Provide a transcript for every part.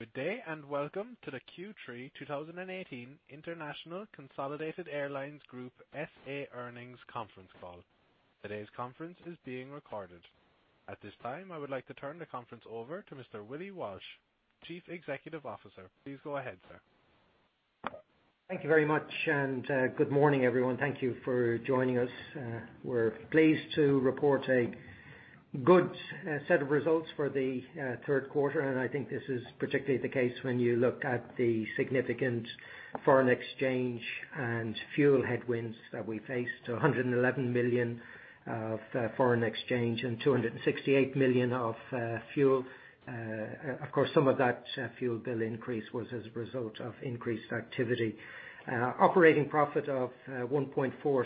Good day, welcome to the Q3 2018 International Consolidated Airlines Group S.A. Earnings Conference Call. Today's conference is being recorded. At this time, I would like to turn the conference over to Mr. Willie Walsh, Chief Executive Officer. Please go ahead, sir. Thank you very much, good morning, everyone. Thank you for joining us. We're pleased to report a good set of results for the third quarter, I think this is particularly the case when you look at the significant foreign exchange and fuel headwinds that we faced, 111 million of foreign exchange and 268 million of fuel. Of course, some of that fuel bill increase was as a result of increased activity. Operating profit of 1.46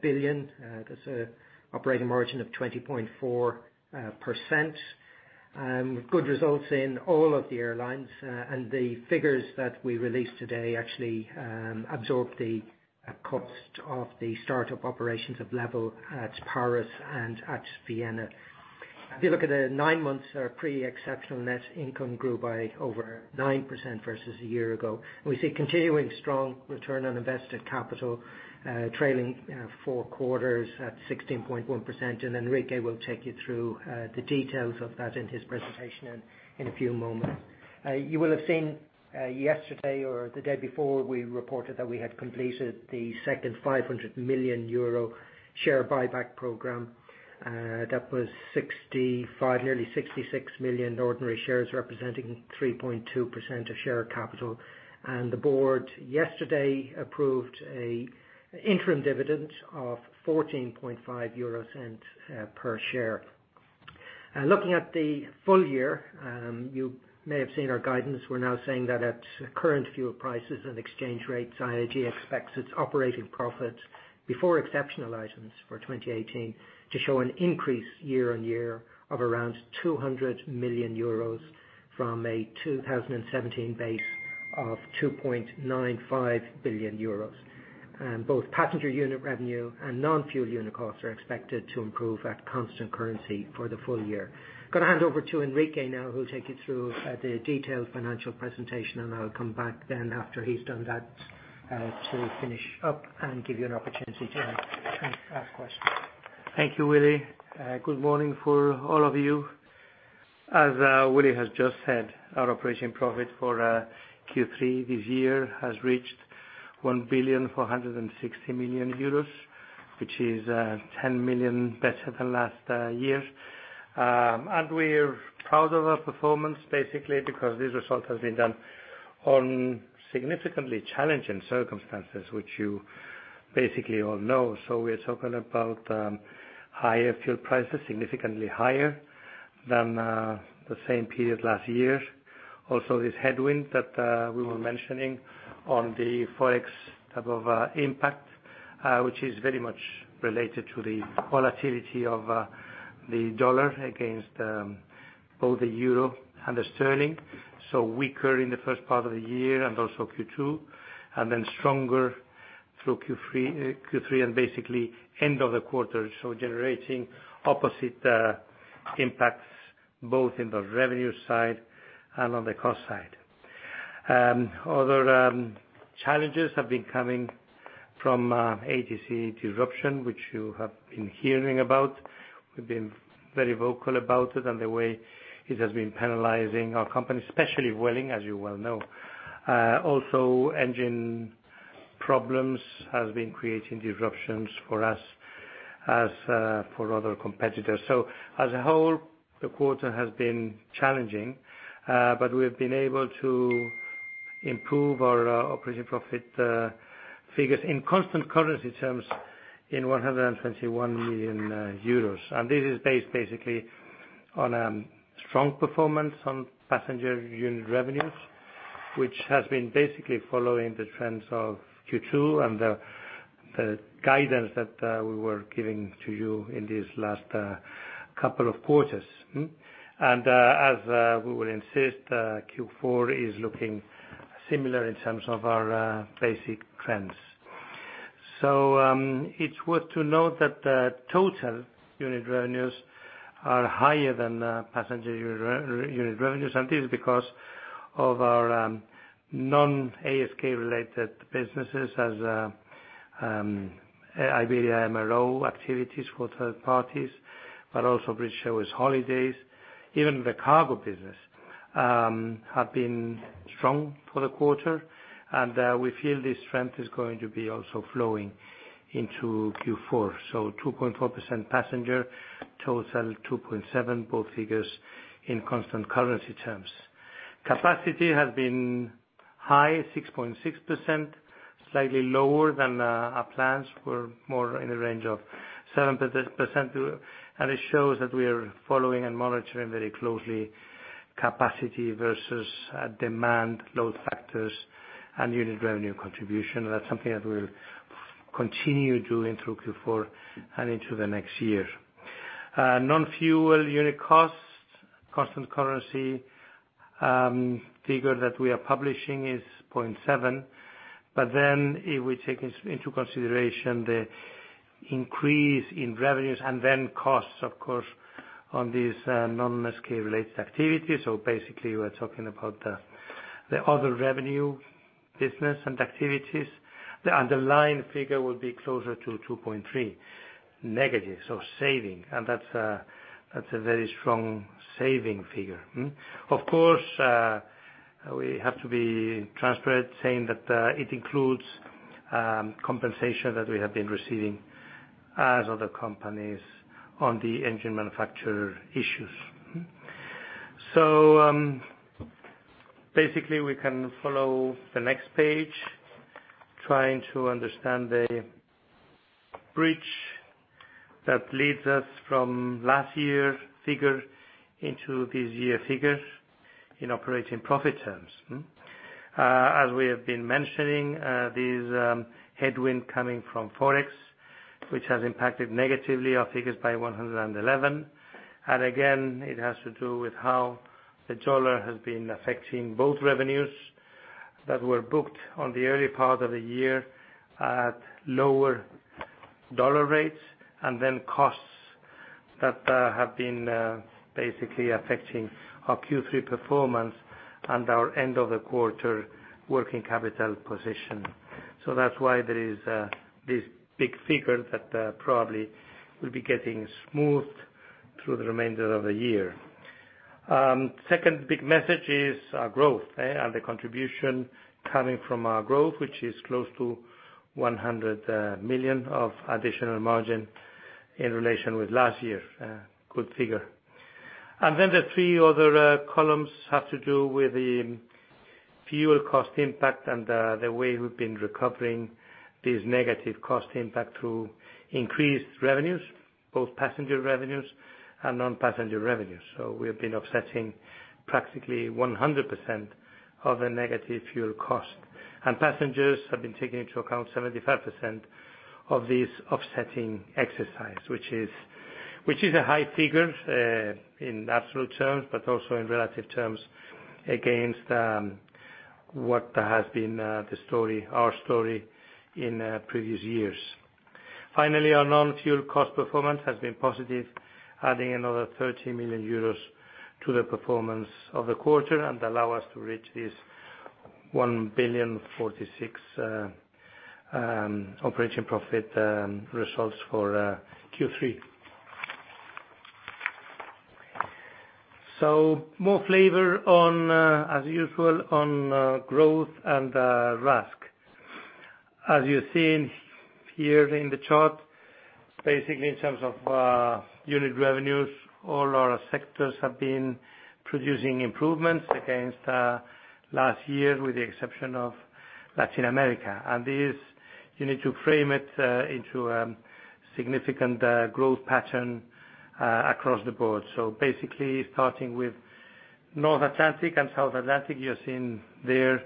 billion. That's an operating margin of 20.4%. Good results in all of the airlines. The figures that we released today actually absorb the cost of the startup operations of LEVEL at Paris and at Vienna. If you look at the nine months, our pre-exceptional net income grew by over 9% versus a year ago. We see continuing strong return on invested capital, trailing four quarters at 16.1%, Enrique will take you through the details of that in his presentation in a few moments. You will have seen yesterday or the day before, we reported that we had completed the second 500 million euro share buyback program. That was 65, nearly 66 million ordinary shares, representing 3.2% of share capital. The board yesterday approved an interim dividend of 0.145 per share. Looking at the full year, you may have seen our guidance. We're now saying that at current fuel prices and exchange rates, IAG expects its operating profit before exceptional items for 2018 to show an increase year-on-year of around 200 million euros from a 2017 base of 2.95 billion euros. Both passenger unit revenue and non-fuel unit costs are expected to improve at constant currency for the full year. Going to hand over to Enrique now, who'll take you through the detailed financial presentation, I'll come back then after he's done that to finish up and give you an opportunity to ask questions. Thank you, Willie. Good morning for all of you. As Willie has just said, our operating profit for Q3 this year has reached 1.46 billion, which is 10 million better than last year. We're proud of our performance, basically, because this result has been done on significantly challenging circumstances, which you basically all know. We're talking about higher fuel prices, significantly higher than the same period last year. Also, this headwind that we were mentioning on the Forex type of impact, which is very much related to the volatility of the dollar against both the euro and the sterling. Weaker in the first part of the year and also Q2, and then stronger through Q3 and basically end of the quarter. Generating opposite impacts both in the revenue side and on the cost side. Other challenges have been coming from ATC disruption, which you have been hearing about. We've been very vocal about it and the way it has been penalizing our company, especially Vueling, as you well know. Also, engine problems have been creating disruptions for us as for other competitors. As a whole, the quarter has been challenging. We've been able to improve our operating profit figures in constant currency terms in 121 million euros. This is based basically on a strong performance on passenger unit revenues, which has been basically following the trends of Q2 and the guidance that we were giving to you in these last couple of quarters. As we will insist, Q4 is looking similar in terms of our basic trends. It's worth to note that the total unit revenues are higher than passenger unit revenues, and this is because of our non-ASK related businesses as Iberia MRO activities for third parties, but also British Airways Holidays. Even the cargo business have been strong for the quarter, and we feel this strength is going to be also flowing into Q4. 2.4% passenger, total 2.7%, both figures in constant currency terms. Capacity has been high, 6.6%, slightly lower than our plans were more in the range of 7%. It shows that we are following and monitoring very closely capacity versus demand load factors and unit revenue contribution. That's something that we'll continue doing through Q4 and into the next year. Non-fuel unit cost, constant currency figure that we are publishing is 0.7%, if we take into consideration the increase in revenues and then costs, of course, on these non-ASK related activities. We're talking about the other revenue business and activities. The underlying figure will be closer to 2.3% negative, so saving. That's a very strong saving figure. Of course, we have to be transparent, saying that it includes compensation that we have been receiving as other companies on the engine manufacturer issues. We can follow the next page, trying to understand the bridge that leads us from last year's figure into this year's figure in operating profit terms. As we have been mentioning, this headwind coming from Forex, which has impacted negatively our figures by 111 million. It has to do with how the dollar has been affecting both revenues that were booked on the early part of the year at lower dollar rates, and then costs that have been basically affecting our Q3 performance and our end of the quarter working capital position. That's why there is this big figure that probably will be getting smoothed through the remainder of the year. Second big message is our growth. The contribution coming from our growth, which is close to 100 million of additional margin in relation with last year. Good figure. The three other columns have to do with the fuel cost impact and the way we've been recovering this negative cost impact through increased revenues, both passenger revenues and non-passenger revenues. We have been offsetting practically 100% of the negative fuel cost. Passengers have been taking into account 75% of this offsetting exercise, which is a high figure, in absolute terms, but also in relative terms against what has been our story in previous years. Finally, our non-fuel cost performance has been positive, adding another 30 million euros to the performance of the quarter and allow us to reach this 1 billion 46 operating profit results for Q3. More flavor, as usual, on growth and RASK. As you've seen here in the chart, basically in terms of unit revenues, all our sectors have been producing improvements against last year, with the exception of Latin America. This, you need to frame it into a significant growth pattern across the board. Starting with North Atlantic and South Atlantic, you're seeing their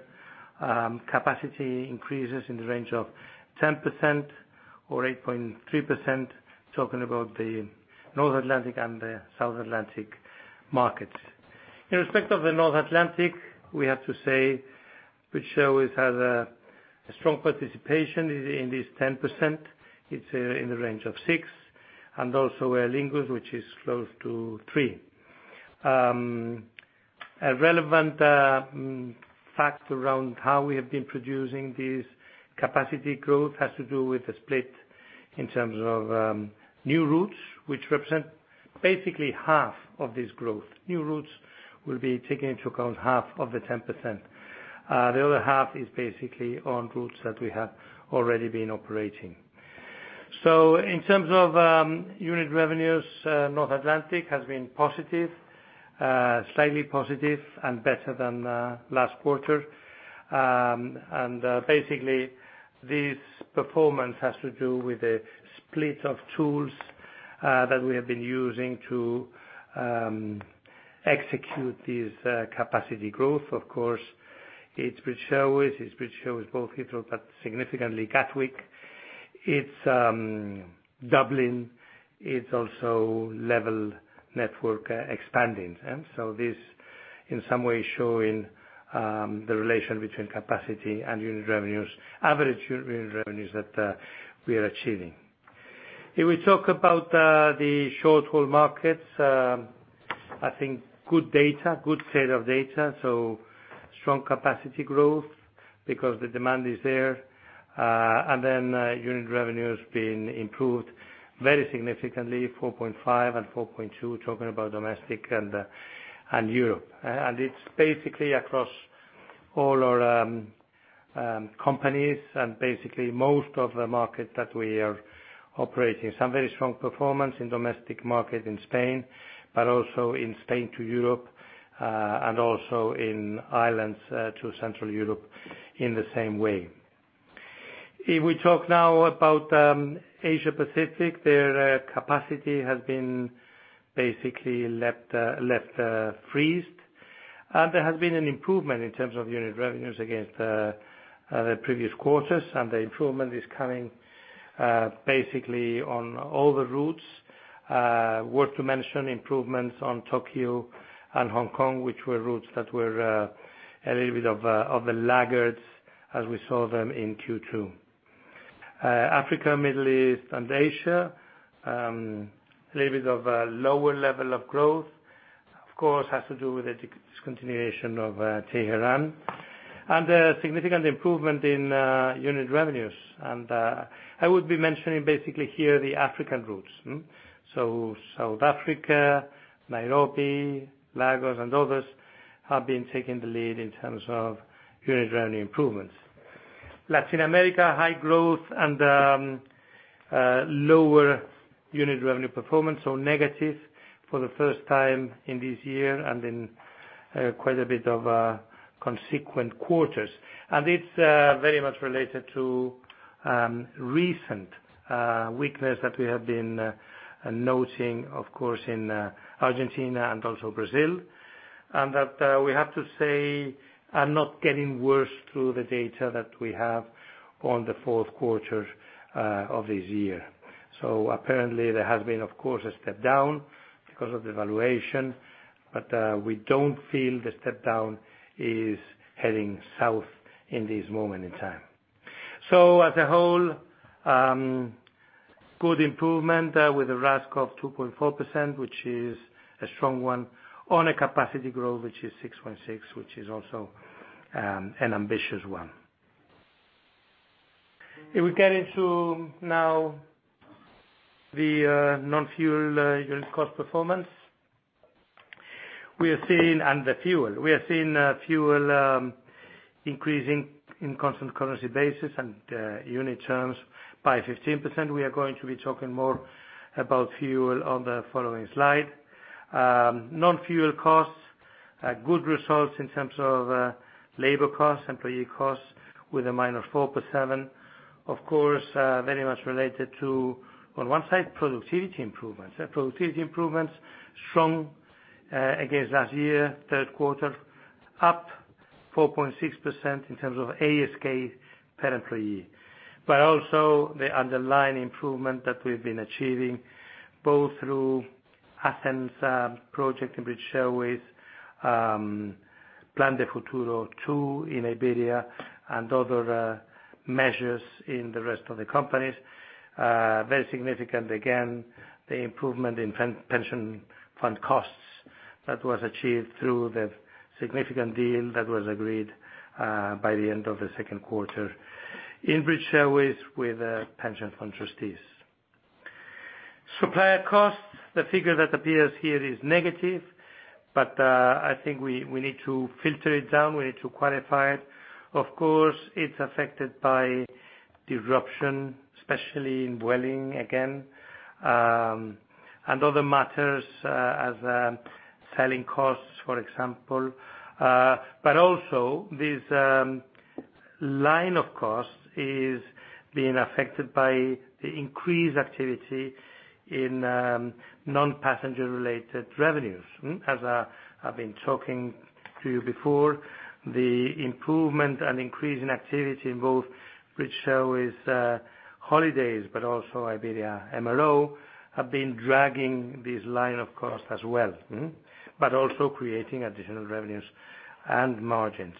capacity increases in the range of 10% or 8.3%, talking about the North Atlantic and the South Atlantic markets. In respect of the North Atlantic, we have to say, British Airways has a strong participation in this 10%. It's in the range of 6%, and also Aer Lingus, which is close to 3%. A relevant fact around how we have been producing this capacity growth has to do with the split in terms of new routes, which represent basically half of this growth. New routes will be taking into account half of the 10%. The other half is basically on routes that we have already been operating. In terms of unit revenues, North Atlantic has been positive, slightly positive, and better than last quarter. This performance has to do with the split of tools that we have been using to execute this capacity growth. Of course, it's British Airways. It's British Airways, both Heathrow, but significantly Gatwick. It's Dublin. It's also LEVEL network expanding. This, in some way, showing the relation between capacity and unit revenues, average unit revenues that we are achieving. If we talk about the short-haul markets, I think good data, good set of data. Strong capacity growth because the demand is there. Unit revenue has been improved very significantly, 4.5% and 4.2%, talking about domestic and Europe. It's basically across all our companies and basically most of the market that we are operating. Some very strong performance in domestic market in Spain, but also in Spain to Europe, and also in Ireland to Central Europe in the same way. If we talk now about Asia-Pacific, their capacity has been basically left freezed. There has been an improvement in terms of unit revenues against the previous quarters. The improvement is coming basically on all the routes. Worth to mention improvements on Tokyo and Hong Kong, which were routes that were a little bit of the laggards as we saw them in Q2. Africa, Middle East, and Asia, a little bit of a lower level of growth. Of course, has to do with the discontinuation of Tehran. A significant improvement in unit revenues. I would be mentioning basically here the African routes. South Africa, Nairobi, Lagos, and others have been taking the lead in terms of unit revenue improvements. Latin America, high growth and lower unit revenue performance, so negative for the first time in this year, and in quite a bit of consequent quarters. It's very much related to recent weakness that we have been noting, of course, in Argentina and also Brazil. That we have to say are not getting worse through the data that we have on the fourth quarter of this year. Apparently there has been, of course, a step down because of the devaluation, but we don't feel the step down is heading south in this moment in time. As a whole, good improvement, with a RASK of 2.4%, which is a strong one, on a capacity growth, which is 6.6%, which is also an ambitious one. If we get into now the non-fuel unit cost performance, and the fuel. We are seeing fuel increasing in constant currency basis and unit terms by 15%. We are going to be talking more about fuel on the following slide. Non-fuel costs, good results in terms of labor costs, employee costs with a -4.7%. Of course, very much related to, on one side, productivity improvements. Productivity improvements strong, against last year, third quarter, up 4.6% in terms of ASK per employee. Also the underlying improvement that we've been achieving, both through Athens project in British Airways, Plan de Futuro 2 in Iberia, and other measures in the rest of the companies. Very significant again, the improvement in pension fund costs that was achieved through the significant deal that was agreed by the end of the second quarter in British Airways with pension fund trustees. Supplier costs, the figure that appears here is negative, but I think we need to filter it down. We need to qualify it. Of course, it's affected by disruption, especially in Vueling again, and other matters, as selling costs, for example. Also this line of costs is being affected by the increased activity in non-passenger related revenues. As I've been talking to you before, the improvement and increase in activity in both British Airways Holidays, but also Iberia MRO, have been dragging this line of cost as well. Also creating additional revenues and margins.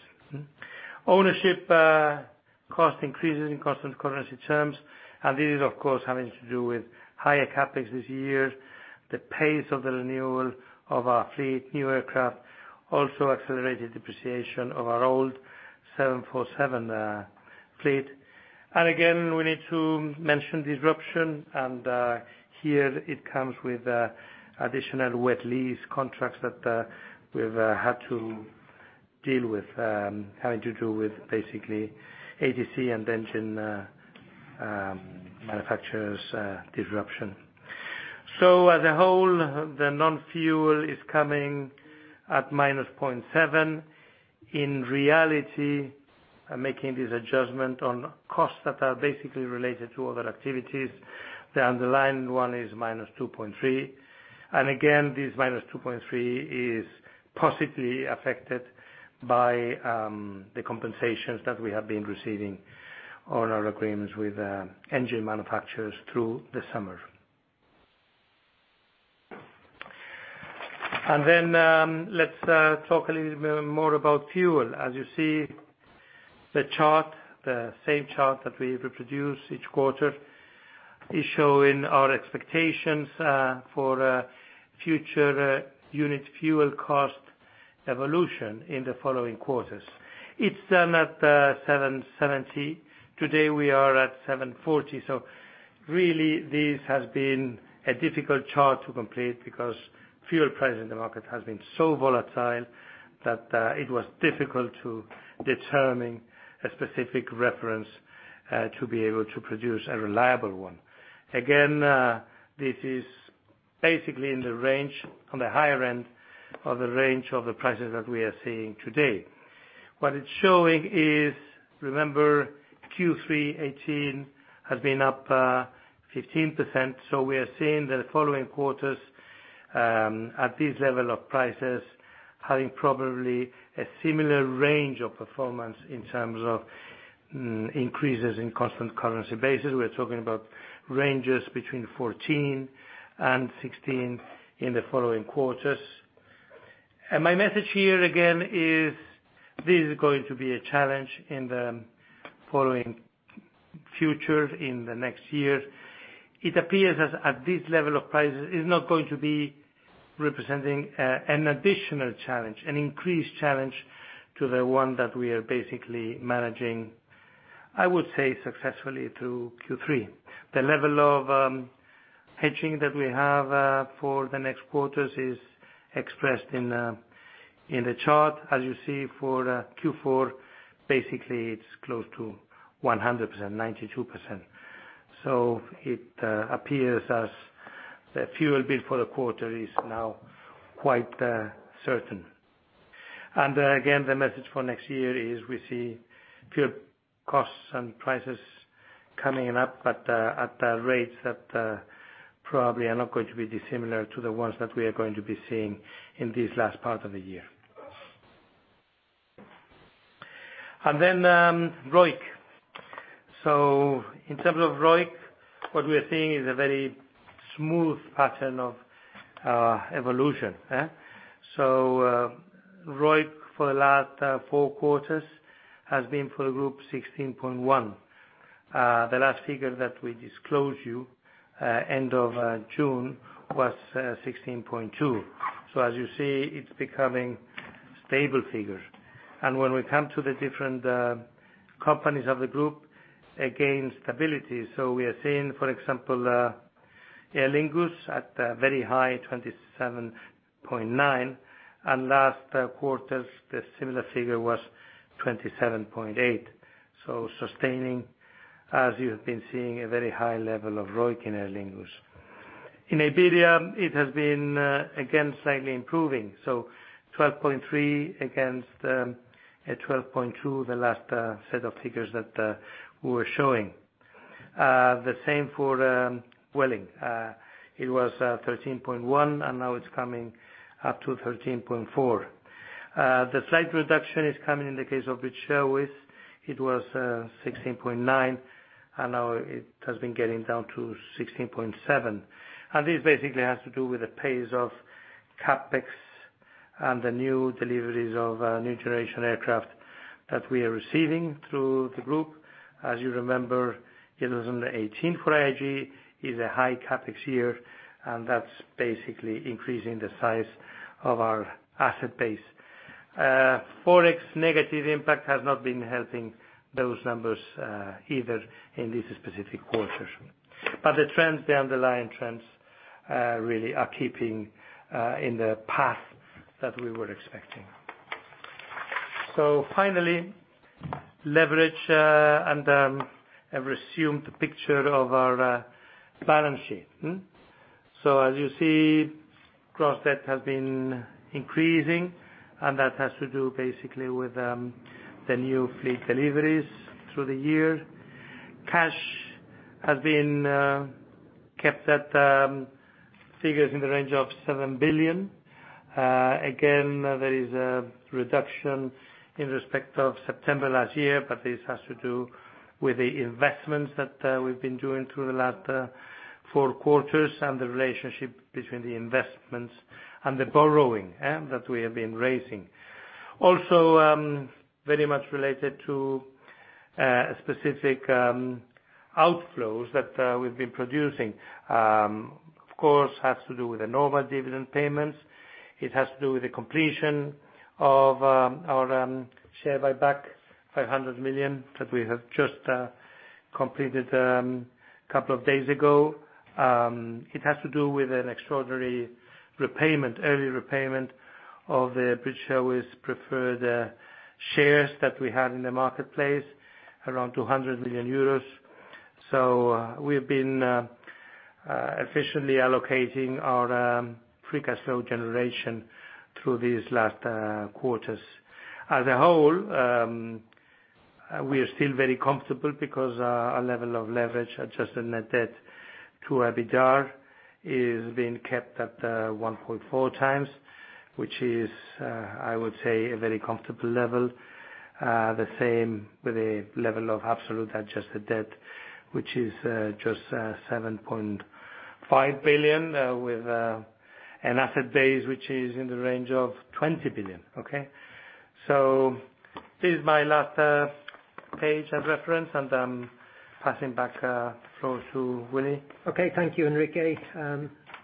Ownership cost increases in constant currency terms, and this is of course having to do with higher CapEx this year, the pace of the renewal of our fleet, new aircraft. Also accelerated depreciation of our old 747 fleet. Again, we need to mention disruption and, here it comes with additional wet lease contracts that we've had to deal with, having to do with basically ATC and engine manufacturers disruption. As a whole, the non-fuel is coming at -0.7%. In reality, making this adjustment on costs that are basically related to other activities, the underlying one is -2.3. Again, this -2.3 is positively affected by the compensations that we have been receiving on our agreements with engine manufacturers through the summer. Then, let's talk a little bit more about fuel. As you see, the chart, the same chart that we reproduce each quarter, is showing our expectations for future unit fuel cost evolution in the following quarters. It's done at 770. Today, we are at 740. Really this has been a difficult chart to complete because fuel price in the market has been so volatile that it was difficult to determine a specific reference, to be able to produce a reliable one. This is basically in the range, on the higher end of the range of the prices that we are seeing today. What it's showing is, remember, Q3 2018 has been up 15%. We are seeing the following quarters. At this level of prices, having probably a similar range of performance in terms of increases in constant currency basis. We're talking about ranges between 14% and 16% in the following quarters. My message here again is, this is going to be a challenge in the following future, in the next years. It appears as at this level of prices, is not going to be representing an additional challenge, an increased challenge to the one that we are basically managing, I would say successfully through Q3. The level of hedging that we have for the next quarters is expressed in the chart. As you see for Q4, basically, it's close to 100%, 92%. It appears as the fuel bill for the quarter is now quite certain. Again, the message for next year is, we see fuel costs and prices coming up, but at rates that probably are not going to be dissimilar to the ones that we are going to be seeing in this last part of the year. Then ROIC. In terms of ROIC, what we are seeing is a very smooth pattern of evolution. ROIC for the last four quarters has been, for the group, 16.1%. The last figure that we disclose you, end of June was 16.2%. As you see, it's becoming stable figures. When we come to the different companies of the group, again, stability. We are seeing, for example, Aer Lingus at a very high 27.9%, and last quarter, the similar figure was 27.8%. Sustaining, as you have been seeing, a very high level of ROIC in Aer Lingus. In Iberia, it has been again, slightly improving. 12.3% against 12.2%, the last set of figures that we were showing. The same for Vueling. It was 13.1%, and now it's coming up to 13.4%. The slight reduction is coming in the case of British Airways. It was 16.9%, and now it has been getting down to 16.7%. This basically has to do with the pace of CapEx and the new deliveries of new generation aircraft that we are receiving through the group. As you remember, 2018 for IAG is a high CapEx year, and that's basically increasing the size of our asset base. Forex negative impact has not been helping those numbers, either, in this specific quarter. The trends, the underlying trends, really are keeping in the path that we were expecting. Finally, leverage, and I've resumed the picture of our balance sheet. As you see, gross debt has been increasing, and that has to do basically with the new fleet deliveries through the year. Cash has been kept at figures in the range of 7 billion. Again, there is a reduction in respect of September last year, but this has to do with the investments that we've been doing through the last four quarters and the relationship between the investments and the borrowing that we have been raising. Also, very much related to specific outflows that we've been producing. Of course, has to do with the normal dividend payments. It has to do with the completion of our share buyback, 500 million that we have just completed couple of days ago. It has to do with an extraordinary repayment, early repayment of the British Airways preferred shares that we had in the marketplace, around 200 million euros. We have been efficiently allocating our free cash flow generation through these last quarters. As a whole, we are still very comfortable because our level of leverage, adjusted net debt to EBITDA is being kept at 1.4 times, which is, I would say, a very comfortable level. The same with the level of absolute adjusted debt, which is just 7.5 billion with an asset base, which is in the range of 20 billion. Okay? This is my last page of reference, and I'm passing back floor to Willie. Okay. Thank you, Enrique.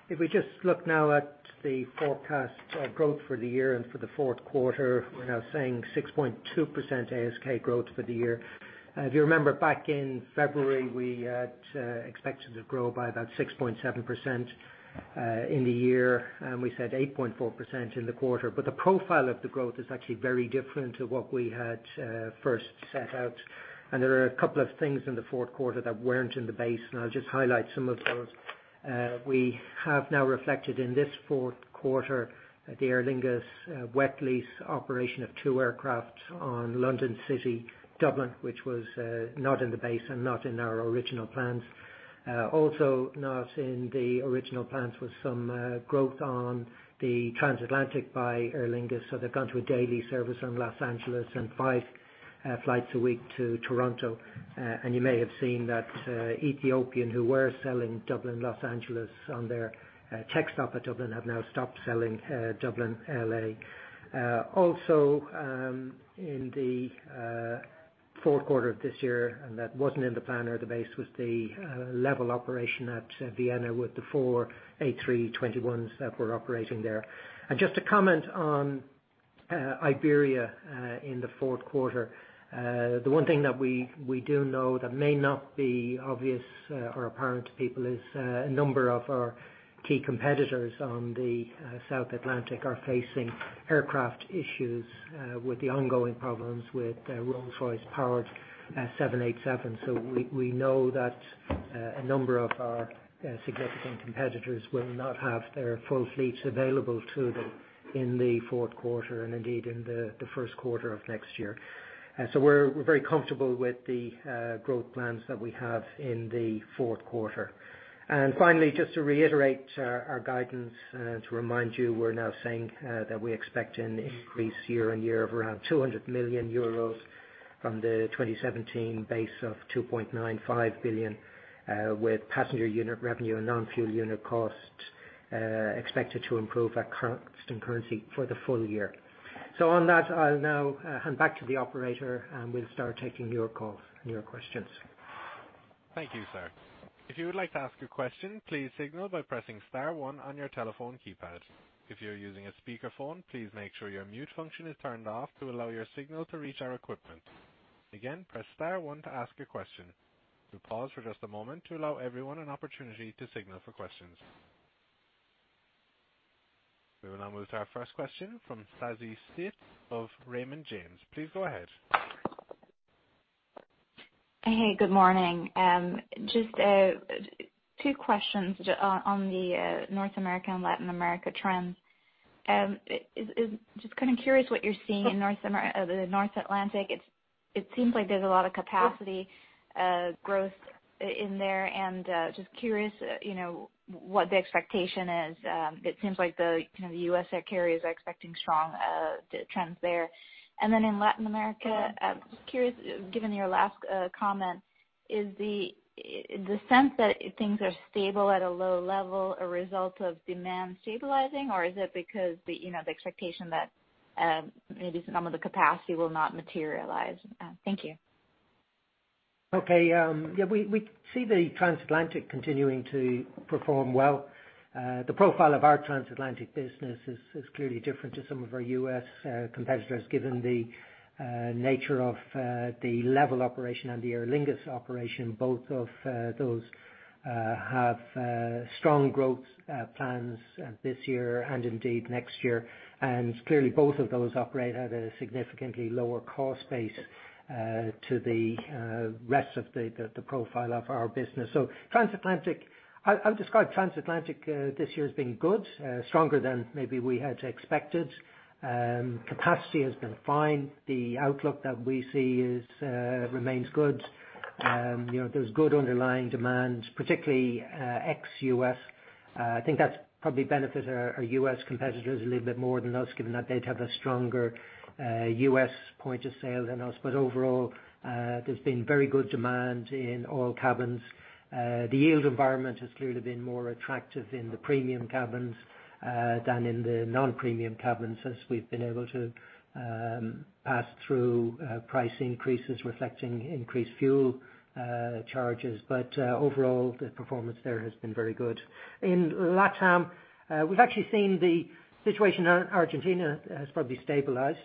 If we just look now at the forecast growth for the year and for the fourth quarter, we're now saying 6.2% ASK growth for the year. If you remember back in February, we had expected to grow by about 6.7% in the year, and we said 8.4% in the quarter. The profile of the growth is actually very different to what we had first set out. There are a couple of things in the fourth quarter that weren't in the base, and I'll just highlight some of those. We have now reflected in this forecast quarter. The Aer Lingus wet lease operation of two aircraft on London City Dublin, which was not in the base and not in our original plans. Not in the original plans was some growth on the transatlantic by Aer Lingus, so they've gone to a daily service on Los Angeles and five flights a week to Toronto. You may have seen that Ethiopian, who were selling Dublin, Los Angeles on their tech stop at Dublin, have now stopped selling Dublin, L.A. In the fourth quarter of this year, that wasn't in the plan or the base, was the LEVEL operation at Vienna with the four A321s that were operating there. Just to comment on Iberia in the fourth quarter. The one thing that we do know that may not be obvious or apparent to people is a number of our key competitors on the South Atlantic are facing aircraft issues with the ongoing problems with Rolls-Royce powered 787. We know that a number of our significant competitors will not have their full fleets available to them in the fourth quarter and indeed in the first quarter of next year. We're very comfortable with the growth plans that we have in the fourth quarter. Finally, just to reiterate our guidance. To remind you, we're now saying that we expect an increase year-on-year of around 200 million euros from the 2017 base of 2.95 billion, with passenger unit revenue and non-fuel unit cost expected to improve at constant currency for the full year. On that, I'll now hand back to the operator, and we'll start taking your calls and your questions. Thank you, sir. If you would like to ask a question, please signal by pressing star one on your telephone keypad. If you're using a speakerphone, please make sure your mute function is turned off to allow your signal to reach our equipment. Again, press star one to ask a question. We'll pause for just a moment to allow everyone an opportunity to signal for questions. We will now move to our first question from Savanthi Syth of Raymond James. Please go ahead. Hey, good morning. Just two questions on the North America and Latin America trends. Just kind of curious what you're seeing in the North Atlantic. It seems like there's a lot of capacity growth in there and just curious what the expectation is. It seems like the U.S. air carriers are expecting strong trends there. Then in Latin America, just curious, given your last comment, is the sense that things are stable at a low level a result of demand stabilizing, or is it because the expectation that maybe some of the capacity will not materialize? Thank you. Okay. We see the transatlantic continuing to perform well. The profile of our transatlantic business is clearly different to some of our U.S. competitors, given the nature of the LEVEL operation and the Aer Lingus operation. Both of those have strong growth plans this year and indeed next year. Clearly, both of those operate at a significantly lower cost base to the rest of the profile of our business. Transatlantic. I would describe transatlantic this year as being good, stronger than maybe we had expected. Capacity has been fine. The outlook that we see remains good. There's good underlying demand, particularly ex-U.S. I think that's probably benefited our U.S. competitors a little bit more than us, given that they'd have a stronger U.S. point of sale than us. Overall, there's been very good demand in all cabins. The yield environment has clearly been more attractive in the premium cabins than in the non-premium cabins, as we've been able to pass through price increases reflecting increased fuel charges. Overall, the performance there has been very good. In LatAm, we've actually seen the situation in Argentina has probably stabilized.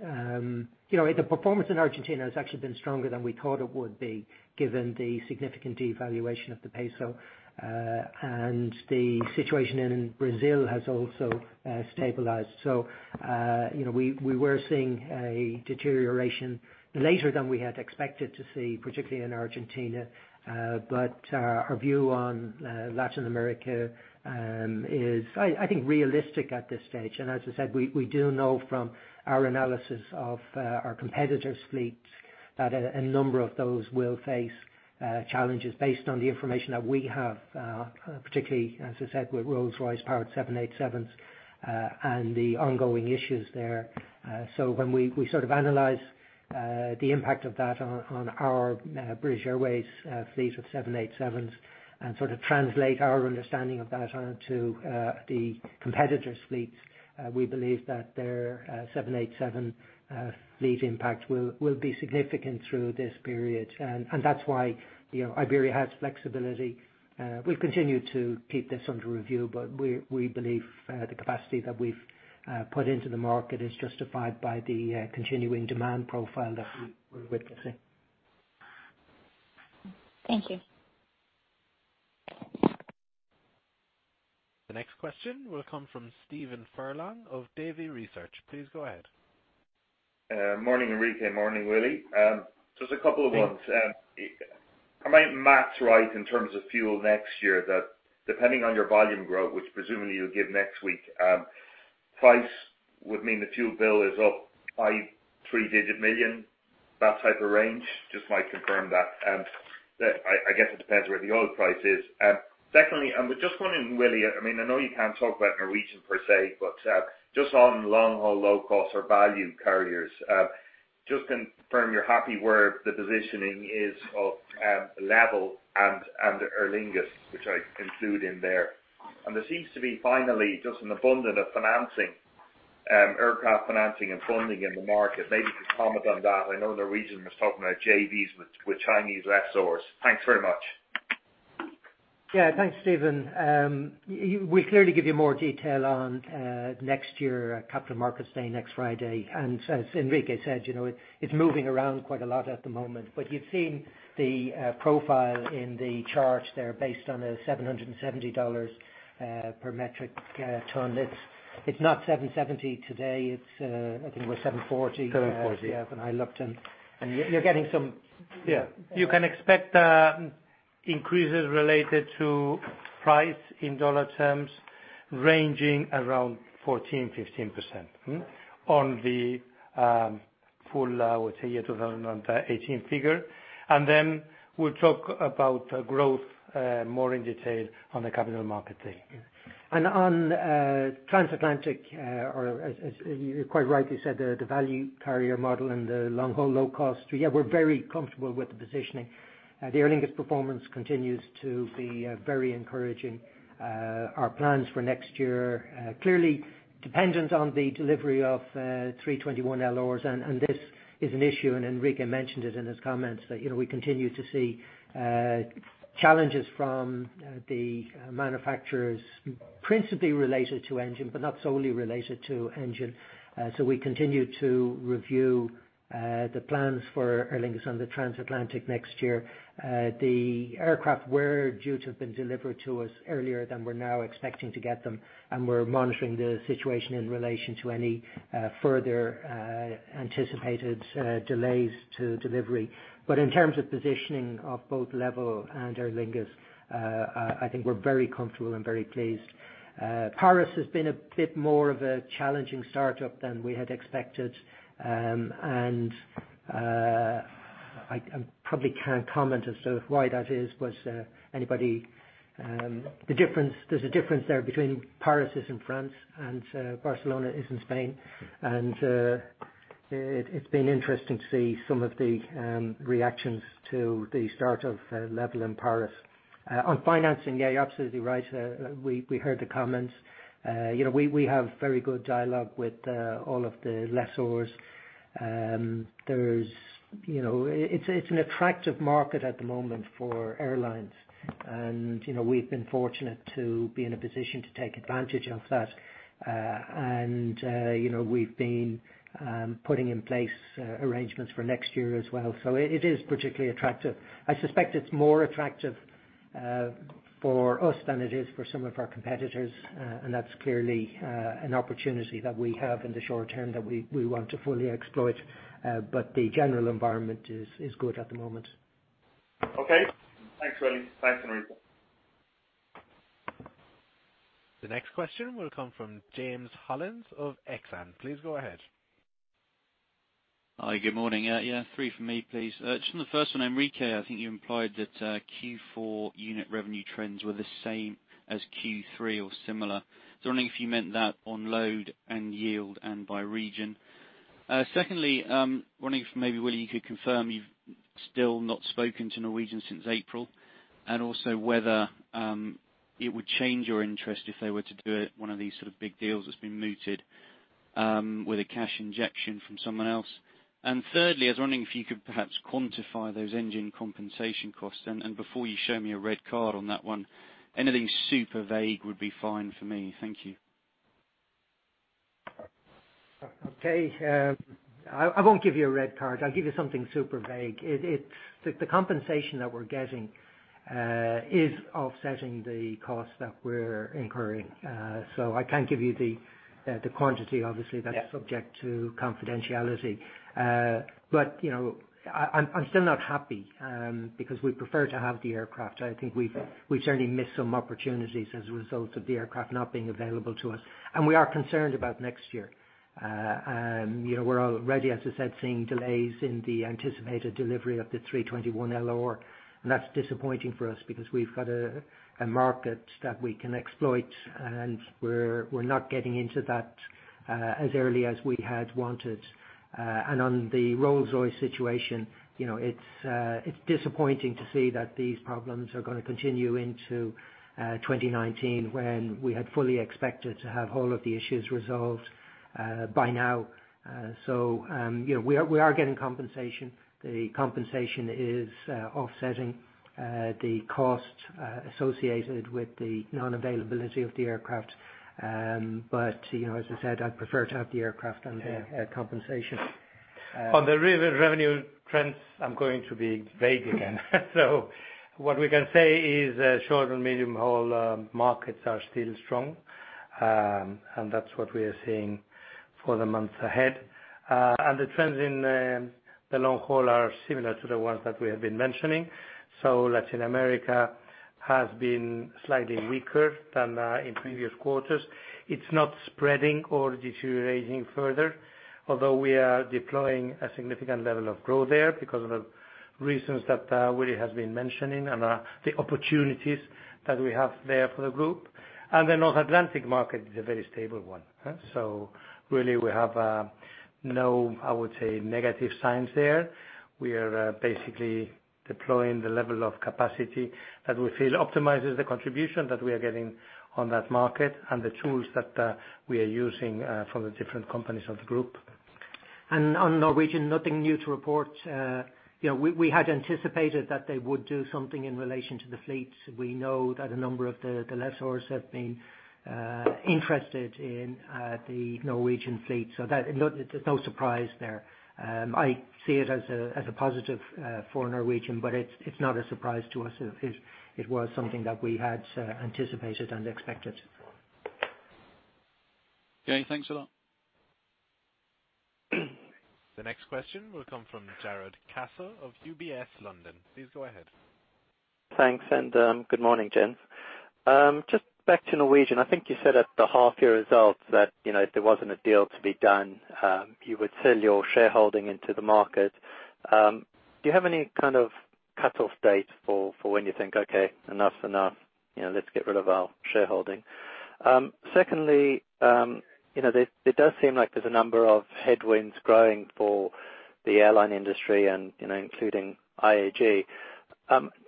The performance in Argentina has actually been stronger than we thought it would be, given the significant devaluation of the peso. The situation in Brazil has also stabilized. We were seeing a deterioration later than we had expected to see, particularly in Argentina. Our view on Latin America is, I think, realistic at this stage. As I said, we do know from our analysis of our competitors' fleets that a number of those will face challenges based on the information that we have, particularly, as I said, with Rolls-Royce powered 787s and the ongoing issues there. When we sort of analyze the impact of that on our British Airways fleet of 787s and translate our understanding of that onto the competitors' fleets, we believe that their 787 fleet impact will be significant through this period. That's why Iberia has flexibility. We'll continue to keep this under review, but we believe the capacity that we've put into the market is justified by the continuing demand profile that we're witnessing. Thank you. The next question will come from Stephen Furlong of Davy Research. Please go ahead. Morning, Enrique. Morning, Willie. Am my maths right in terms of fuel next year that depending on your volume growth, which presumably you'll give next week, price would mean the fuel bill is up by EUR three-digit million, that type of range? Just might confirm that. I guess it depends where the oil price is. Secondly, I was just wondering, Willie, I know you can't talk about Norwegian per se, but just on long-haul, low-cost or value carriers. Just confirm you're happy where the positioning is of LEVEL and Aer Lingus, which I include in there. There seems to be finally just an abundance of financing, aircraft financing and funding in the market. Maybe you could comment on that. I know the region was talking about JVs with Chinese lessors. Thanks very much. Yeah. Thanks, Stephen. We clearly give you more detail on next year Capital Markets Day, next Friday. As Enrique said, it's moving around quite a lot at the moment. You've seen the profile in the chart there based on a $770 per metric ton. It's not $770 today. It's, I think it was 740- 740 Yeah, when I looked and you're getting some-- Yeah. You can expect increases related to price in dollar terms ranging around 14%-15% on the full, I would say year 2018 figure. Then we'll talk about growth, more in detail on the Capital Markets Day. On transatlantic, or as you quite rightly said, the value carrier model and the long-haul, low cost. We're very comfortable with the positioning. The Aer Lingus performance continues to be very encouraging. Our plans for next year, clearly dependent on the delivery of A321LRs. This is an issue, and Enrique mentioned it in his comments, that we continue to see challenges from the manufacturers principally related to engine, but not solely related to engine. We continue to review the plans for Aer Lingus on the transatlantic next year. The aircraft were due to have been delivered to us earlier than we're now expecting to get them, and we're monitoring the situation in relation to any further anticipated delays to delivery. In terms of positioning of both LEVEL and Aer Lingus, I think we're very comfortable and very pleased. Paris has been a bit more of a challenging startup than we had expected. I probably can't comment as to why that is. There's a difference there between Paris is in France and Barcelona is in Spain. It's been interesting to see some of the reactions to the start of LEVEL in Paris. On financing. You're absolutely right. We heard the comments. We have very good dialogue with all of the lessors. It's an attractive market at the moment for airlines, and we've been fortunate to be in a position to take advantage of that. We've been putting in place arrangements for next year as well. It is particularly attractive. I suspect it's more attractive for us than it is for some of our competitors. That's clearly an opportunity that we have in the short term that we want to fully exploit. The general environment is good at the moment. Okay. Thanks, Willie. Thanks, Enrique. The next question will come from James Hollins of Exane. Please go ahead. Hi. Good morning. Yeah, three from me, please. Just on the first one, Enrique, I think you implied that Q4 unit revenue trends were the same as Q3 or similar. Just wondering if you meant that on load and yield and by region. Secondly, wondering if maybe, Willie, you could confirm you've still not spoken to Norwegian since April, and also whether it would change your interest if they were to do one of these sort of big deals that's been mooted, with a cash injection from someone else. Thirdly, I was wondering if you could perhaps quantify those engine compensation costs. Before you show me a red card on that one, anything super vague would be fine for me. Thank you. Okay. I won't give you a red card. I'll give you something super vague. The compensation that we're getting is offsetting the cost that we're incurring. I can't give you the quantity, obviously. Yeah That's subject to confidentiality. I'm still not happy, because we'd prefer to have the aircraft. I think we've certainly missed some opportunities as a result of the aircraft not being available to us. We are concerned about next year. We're already, as I said, seeing delays in the anticipated delivery of the A321LR. That's disappointing for us because we've got a market that we can exploit, and we're not getting into that as early as we had wanted. On the Rolls-Royce situation, it's disappointing to see that these problems are going to continue into 2019 when we had fully expected to have all of the issues resolved by now. We are getting compensation. The compensation is offsetting the cost associated with the non-availability of the aircraft. As I said, I'd prefer to have the aircraft than the compensation. On the revenue trends, I'm going to be vague again. What we can say is short and medium-haul markets are still strong. That's what we are seeing for the months ahead. The trends in the long haul are similar to the ones that we have been mentioning. Latin America has been slightly weaker than in previous quarters. It's not spreading or deteriorating further, although we are deploying a significant level of growth there because of the reasons that Willie has been mentioning and the opportunities that we have there for the group. The North Atlantic market is a very stable one. Really we have no, I would say, negative signs there. We are basically deploying the level of capacity that we feel optimizes the contribution that we are getting on that market and the tools that we are using from the different companies of the group. On Norwegian, nothing new to report. We had anticipated that they would do something in relation to the fleet. We know that a number of the lessors have been interested in the Norwegian fleet, there's no surprise there. I see it as a positive for Norwegian, it's not a surprise to us. It was something that we had anticipated and expected. Okay. Thanks a lot. The next question will come from Jarrod Castle of UBS London. Please go ahead. Thanks. Good morning, gents. Just back to Norwegian. I think you said at the half year results that if there wasn't a deal to be done, you would sell your shareholding into the market. Do you have any kind of cut-off date for when you think, "Okay, enough's enough, let's get rid of our shareholding"? Secondly, it does seem like there's a number of headwinds growing for the airline industry and including IAG.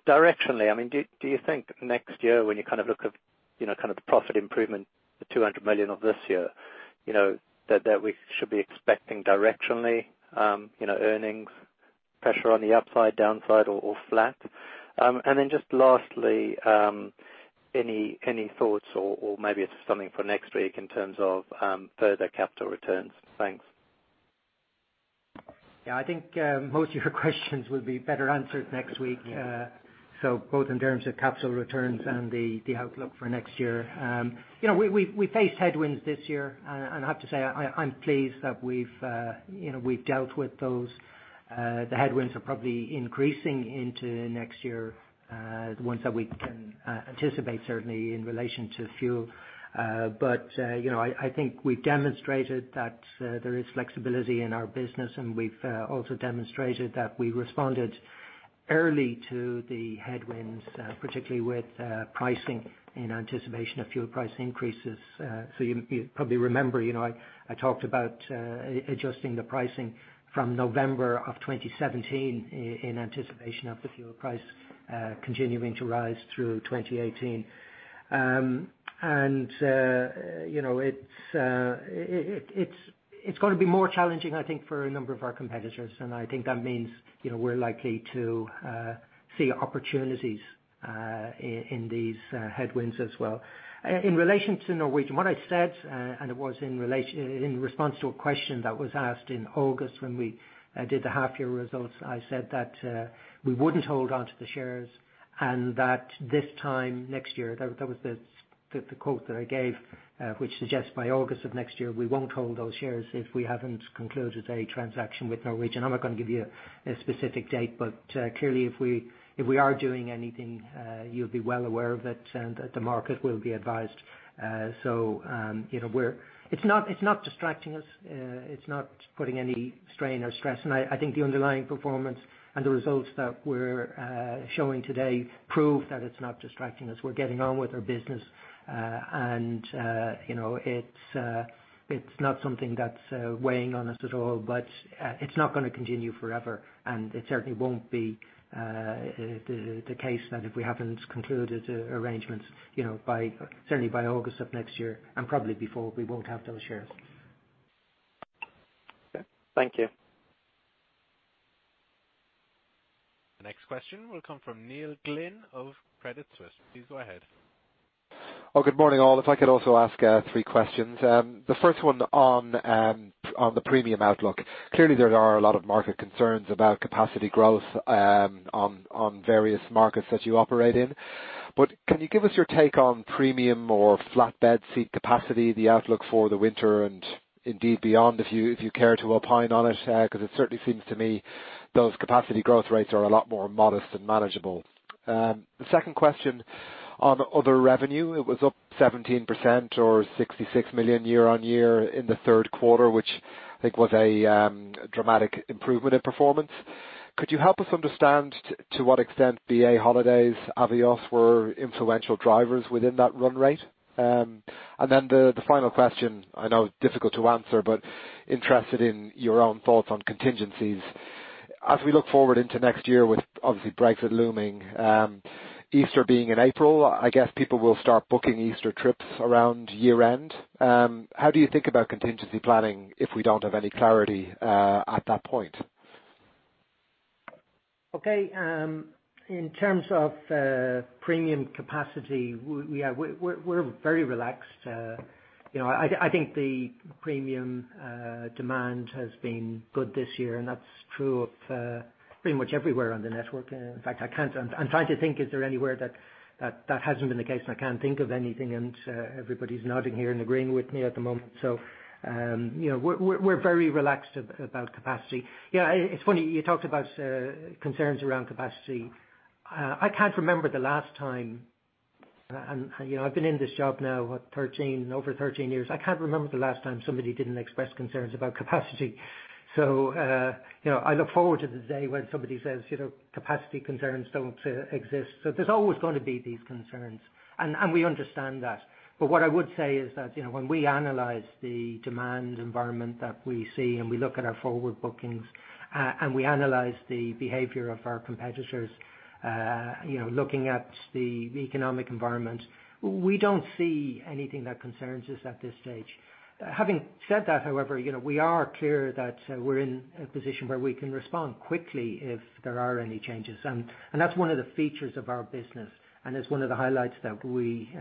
Directionally, do you think next year when you look at the profit improvement, the 200 million of this year, that we should be expecting directionally earnings pressure on the upside, downside, or flat? Just lastly, any thoughts or maybe it's something for next week in terms of further capital returns? Thanks. I think most of your questions will be better answered next week. Both in terms of capital returns and the outlook for next year. We faced headwinds this year, I have to say, I'm pleased that we've dealt with those. The headwinds are probably increasing into next year, the ones that we can anticipate certainly in relation to fuel. I think we've demonstrated that there is flexibility in our business. We've also demonstrated that we responded early to the headwinds, particularly with pricing in anticipation of fuel price increases. You probably remember, I talked about adjusting the pricing from November of 2017 in anticipation of the fuel price continuing to rise through 2018. It's going to be more challenging, I think, for a number of our competitors. I think that means we're likely to see opportunities in these headwinds as well. In relation to Norwegian, what I said, it was in response to a question that was asked in August when we did the half year results, I said that we wouldn't hold onto the shares. This time next year, that was the quote that I gave, which suggests by August of next year, we won't hold those shares if we haven't concluded a transaction with Norwegian. I'm not going to give you a specific date, clearly, if we are doing anything, you'll be well aware of it. The market will be advised. It's not distracting us. It's not putting any strain or stress. I think the underlying performance and the results that we're showing today prove that it's not distracting us. We're getting on with our business. It's not something that's weighing on us at all, it's not going to continue forever. It certainly won't be the case that if we haven't concluded arrangements certainly by August of next year and probably before, we won't have those shares. Okay. Thank you. The next question will come from Neil Glynn of Credit Suisse. Please go ahead. Good morning, all. If I could also ask three questions. The first one on the premium outlook. Clearly, there are a lot of market concerns about capacity growth on various markets that you operate in. Can you give us your take on premium or flat bed seat capacity, the outlook for the winter and indeed beyond, if you care to opine on it? Because it certainly seems to me those capacity growth rates are a lot more modest and manageable. The second question on other revenue, it was up 17% or 66 million year-on-year in the third quarter, which I think was a dramatic improvement in performance. Could you help us understand to what extent BA Holidays, Avios were influential drivers within that run rate? Then the final question, I know difficult to answer, interested in your own thoughts on contingencies. As we look forward into next year with obviously Brexit looming, Easter being in April, I guess people will start booking Easter trips around year-end. How do you think about contingency planning if we don't have any clarity at that point? Okay. In terms of premium capacity, we're very relaxed. I think the premium demand has been good this year, and that's true of pretty much everywhere on the network. I'm trying to think, is there anywhere that that hasn't been the case? I can't think of anything, and everybody's nodding here and agreeing with me at the moment. We're very relaxed about capacity. It's funny you talked about concerns around capacity. I can't remember the last time. I've been in this job now, what, over 13 years. I can't remember the last time somebody didn't express concerns about capacity. I look forward to the day when somebody says capacity concerns don't exist. There's always going to be these concerns, and we understand that. What I would say is that, when we analyze the demand environment that we see, and we look at our forward bookings, and we analyze the behavior of our competitors, looking at the economic environment, we don't see anything that concerns us at this stage. Having said that, however, we are clear that we're in a position where we can respond quickly if there are any changes. That's one of the features of our business, and it's one of the highlights that we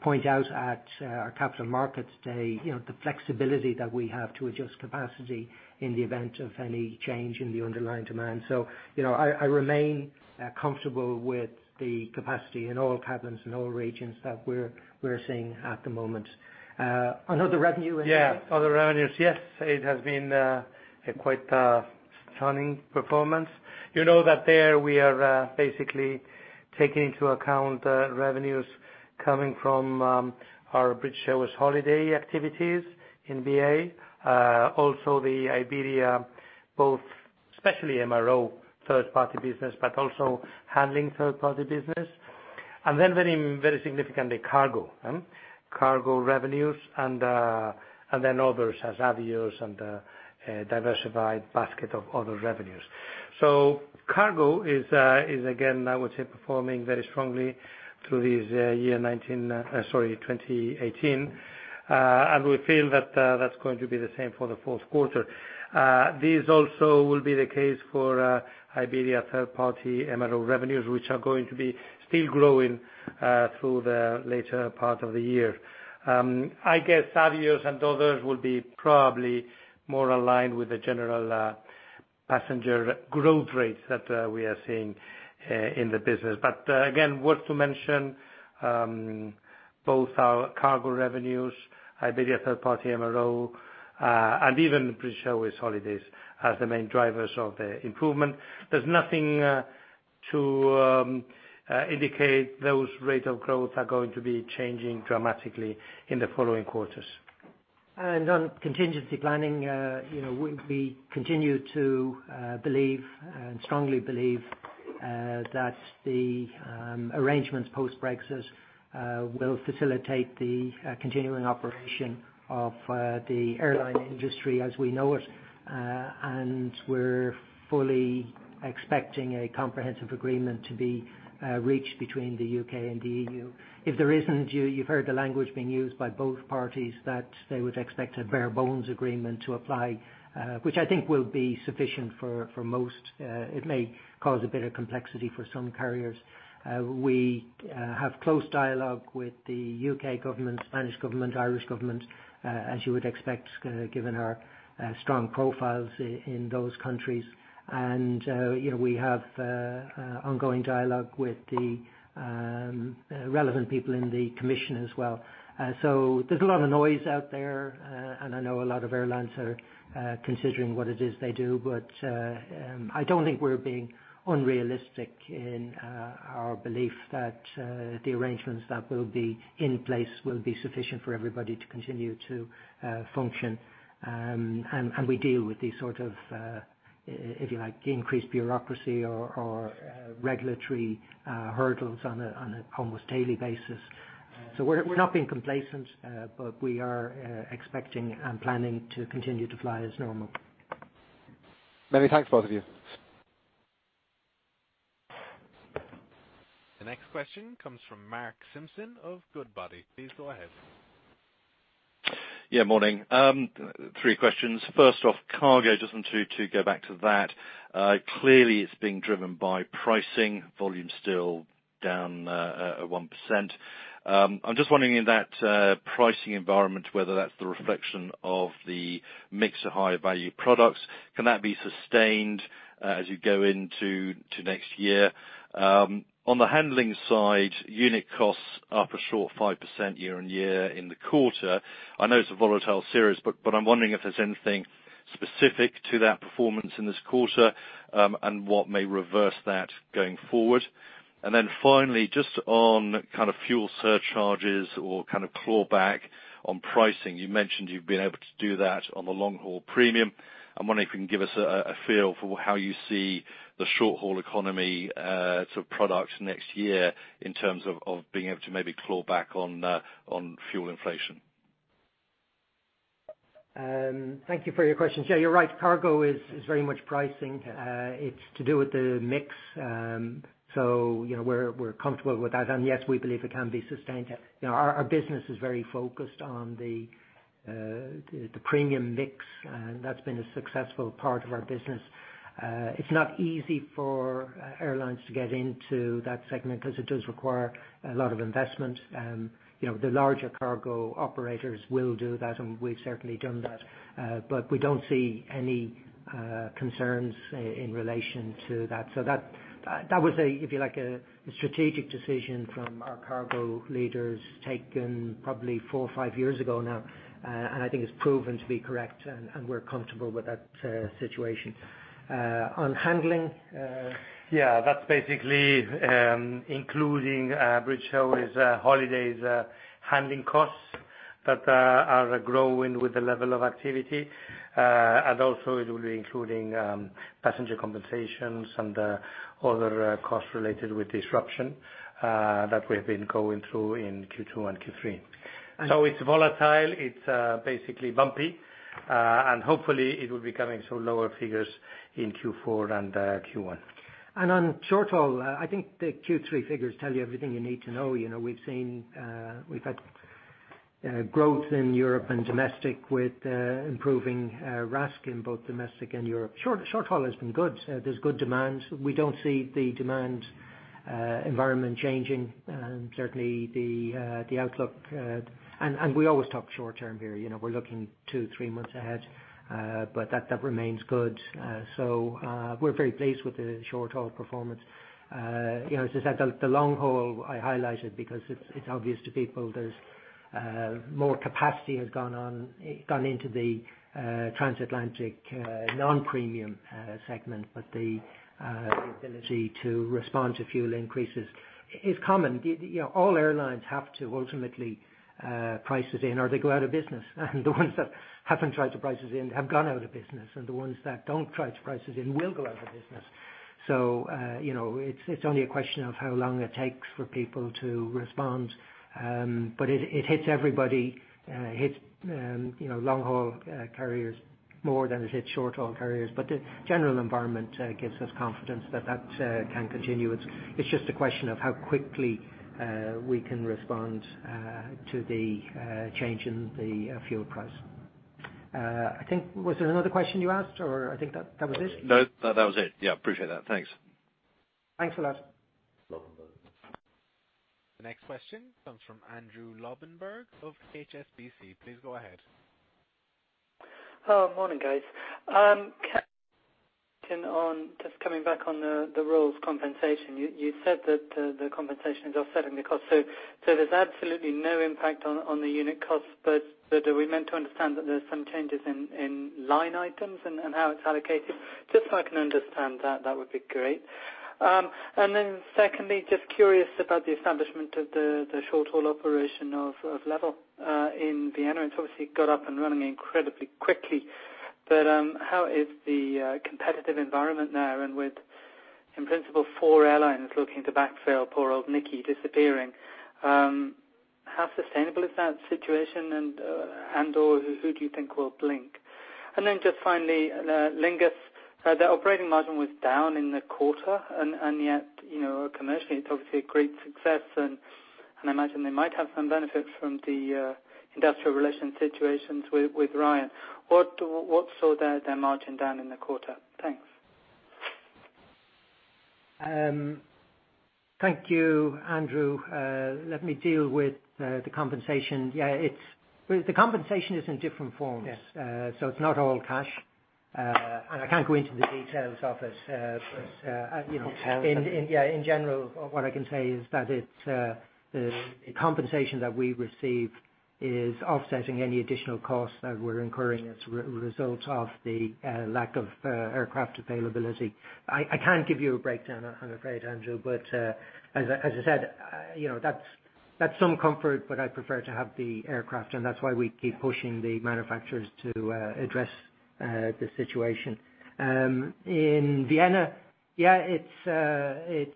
point out at our Capital Markets Day, the flexibility that we have to adjust capacity in the event of any change in the underlying demand. I remain comfortable with the capacity in all cabins, in all regions that we're seeing at the moment. On other revenue- Yeah. Other revenues. Yes, it has been a quite stunning performance. You know that there we are basically taking into account revenues coming from our British Airways Holidays activities in BA. Also the Iberia, both, especially MRO, first party business, but also handling third party business. Then very significantly cargo. Cargo revenues and then others as Avios and a diversified basket of other revenues. Cargo is, again, I would say, performing very strongly through this year 2018. We feel that's going to be the same for the fourth quarter. This also will be the case for Iberia third party MRO revenues, which are going to be still growing through the later part of the year. I guess Avios and others will be probably more aligned with the general passenger growth rates that we are seeing in the business. Again, worth to mention both our cargo revenues, Iberia third party MRO, and even British Airways Holidays as the main drivers of the improvement. There's nothing to indicate those rate of growth are going to be changing dramatically in the following quarters. On contingency planning, we continue to believe, and strongly believe, that the arrangements post-Brexit will facilitate the continuing operation of the airline industry as we know it, and we're fully expecting a comprehensive agreement to be reached between the U.K. and the EU. If there isn't, you've heard the language being used by both parties that they would expect a bare bones agreement to apply, which I think will be sufficient for most. It may cause a bit of complexity for some carriers. We have close dialogue with the U.K. government, Spanish government, Irish government, as you would expect, given our strong profiles in those countries. We have ongoing dialogue with the relevant people in the commission as well. There's a lot of noise out there, I know a lot of airlines are considering what it is they do, I don't think we're being unrealistic in our belief that the arrangements that will be in place will be sufficient for everybody to continue to function. We deal with these sort of, if you like, increased bureaucracy or regulatory hurdles on a almost daily basis. We're not being complacent. We are expecting and planning to continue to fly as normal. Many thanks, both of you. The next question comes from Mark Simpson of Goodbody. Please go ahead. Yeah, morning. Three questions. First off, cargo. Just wanted to go back to that. Clearly it's being driven by pricing, volume still down at 1%. I'm just wondering in that pricing environment, whether that's the reflection of the mix of higher value products. Can that be sustained as you go into next year? On the handling side, unit costs are up a short 5% year-over-year in the quarter. I know it's a volatile series, but I'm wondering if there's anything specific to that performance in this quarter, and what may reverse that going forward. Finally, just on fuel surcharges or claw back on pricing. You mentioned you've been able to do that on the long-haul premium. I'm wondering if you can give us a feel for how you see the short-haul economy product next year in terms of being able to maybe claw back on fuel inflation. Thank you for your question. Yeah, you're right. Cargo is very much pricing. It's to do with the mix. We're comfortable with that. Yes, we believe it can be sustained. Our business is very focused on the premium mix, and that's been a successful part of our business. It's not easy for airlines to get into that segment because it does require a lot of investment. The larger cargo operators will do that, and we've certainly done that. We don't see any concerns in relation to that. That was a, if you like, a strategic decision from our cargo leaders taken probably four or five years ago now. I think it's proven to be correct, and we're comfortable with that situation. On handling- Yeah. That's basically including British Holidays handling costs that are growing with the level of activity. Also it will be including passenger compensations and other costs related with disruption that we've been going through in Q2 and Q3. It's volatile, it's basically bumpy. Hopefully it will be coming some lower figures in Q4 and Q1. On short-haul, I think the Q3 figures tell you everything you need to know. We've had growth in Europe and domestic with improving RASK in both domestic and Europe. Short-haul has been good. There's good demand. We don't see the demand environment changing. Certainly the outlook, and we always talk short term here. We're looking two, three months ahead. That remains good. We're very pleased with the short-haul performance. As I said, the long haul, I highlighted because it's obvious to people there's more capacity has gone into the transatlantic non-premium segment. The ability to respond to fuel increases is common. All airlines have to ultimately price it in or they go out of business. The ones that haven't tried to price it in have gone out of business, and the ones that don't try to price it in will go out of business. It's only a question of how long it takes for people to respond. It hits everybody. It hits long-haul carriers more than it hits short-haul carriers. The general environment gives us confidence that that can continue. It's just a question of how quickly we can respond to the change in the fuel price. Was there another question you asked, or I think that was it? No, that was it. Yeah, appreciate that. Thanks. Thanks a lot. Welcome. The next question comes from Andrew Lobbenberg of HSBC. Please go ahead. Morning guys. Just coming back on the Rolls compensation, you said that the compensation is offsetting the cost. There's absolutely no impact on the unit cost. Are we meant to understand that there's some changes in line items and how it's allocated? Just so I can understand that would be great. Secondly, just curious about the establishment of the short-haul operation of LEVEL in Vienna. It's obviously got up and running incredibly quickly. How is the competitive environment now? With, in principle, four airlines looking to backfill poor old NIKI disappearing. How sustainable is that situation and/or who do you think will blink? Just finally, Aer Lingus, their operating margin was down in the quarter, and yet commercially it's obviously a great success, and I imagine they might have some benefits from the industrial relation situations with Ryan. What saw their margin down in the quarter? Thanks. Thank you, Andrew. Let me deal with the compensation. The compensation is in different forms. Yes. It's not all cash. I can't go into the details of it. Okay. In general, what I can say is that the compensation that we receive is offsetting any additional cost that we're incurring as a result of the lack of aircraft availability. I can't give you a breakdown, I'm afraid, Andrew. As I said, that's some comfort, but I prefer to have the aircraft, and that's why we keep pushing the manufacturers to address the situation. In Vienna, yeah, it's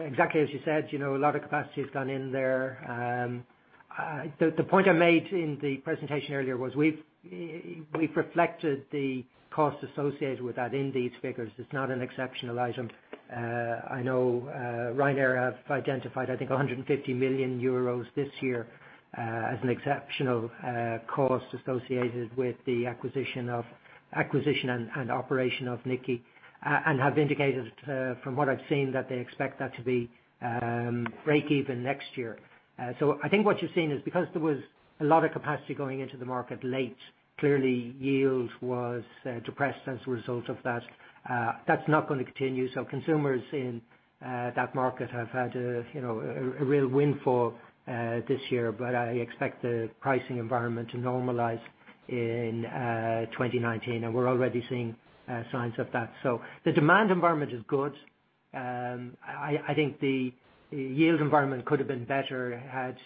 exactly as you said. A lot of capacity has gone in there. The point I made in the presentation earlier was we've reflected the cost associated with that in these figures. It's not an exceptional item. I know Ryanair have identified, I think, 150 million euros this year as an exceptional cost associated with the acquisition and operation of NIKI. Have indicated, from what I've seen, that they expect that to be break even next year. I think what you're seeing is because there was a lot of capacity going into the market late, clearly yield was depressed as a result of that. That's not going to continue. Consumers in that market have had a real windfall this year. I expect the pricing environment to normalize in 2019, and we're already seeing signs of that. The demand environment is good. I think the yield environment could have been better had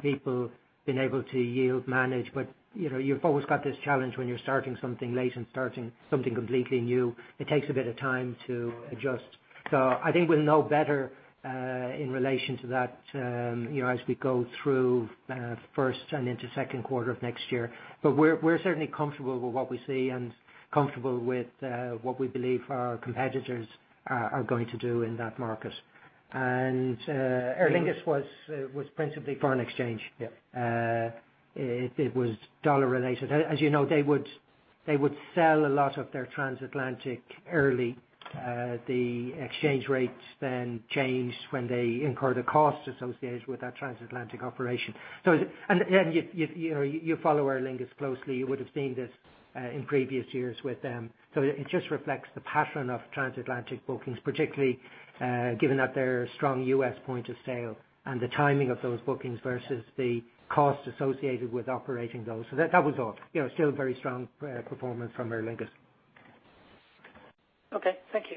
people been able to yield manage. You've always got this challenge when you're starting something late and starting something completely new. It takes a bit of time to adjust. I think we'll know better, in relation to that, as we go through first and into second quarter of next year. We're certainly comfortable with what we see and comfortable with what we believe our competitors are going to do in that market. Aer Lingus was principally foreign exchange. Yeah. It was dollar-related. As you know, they would sell a lot of their transatlantic early. The exchange rates then change when they incur the cost associated with that transatlantic operation. You follow Aer Lingus closely, you would have seen this in previous years with them. It just reflects the pattern of transatlantic bookings, particularly given that their strong U.S. point of sale and the timing of those bookings versus the cost associated with operating those. That was all. Still a very strong performance from Aer Lingus. Okay. Thank you.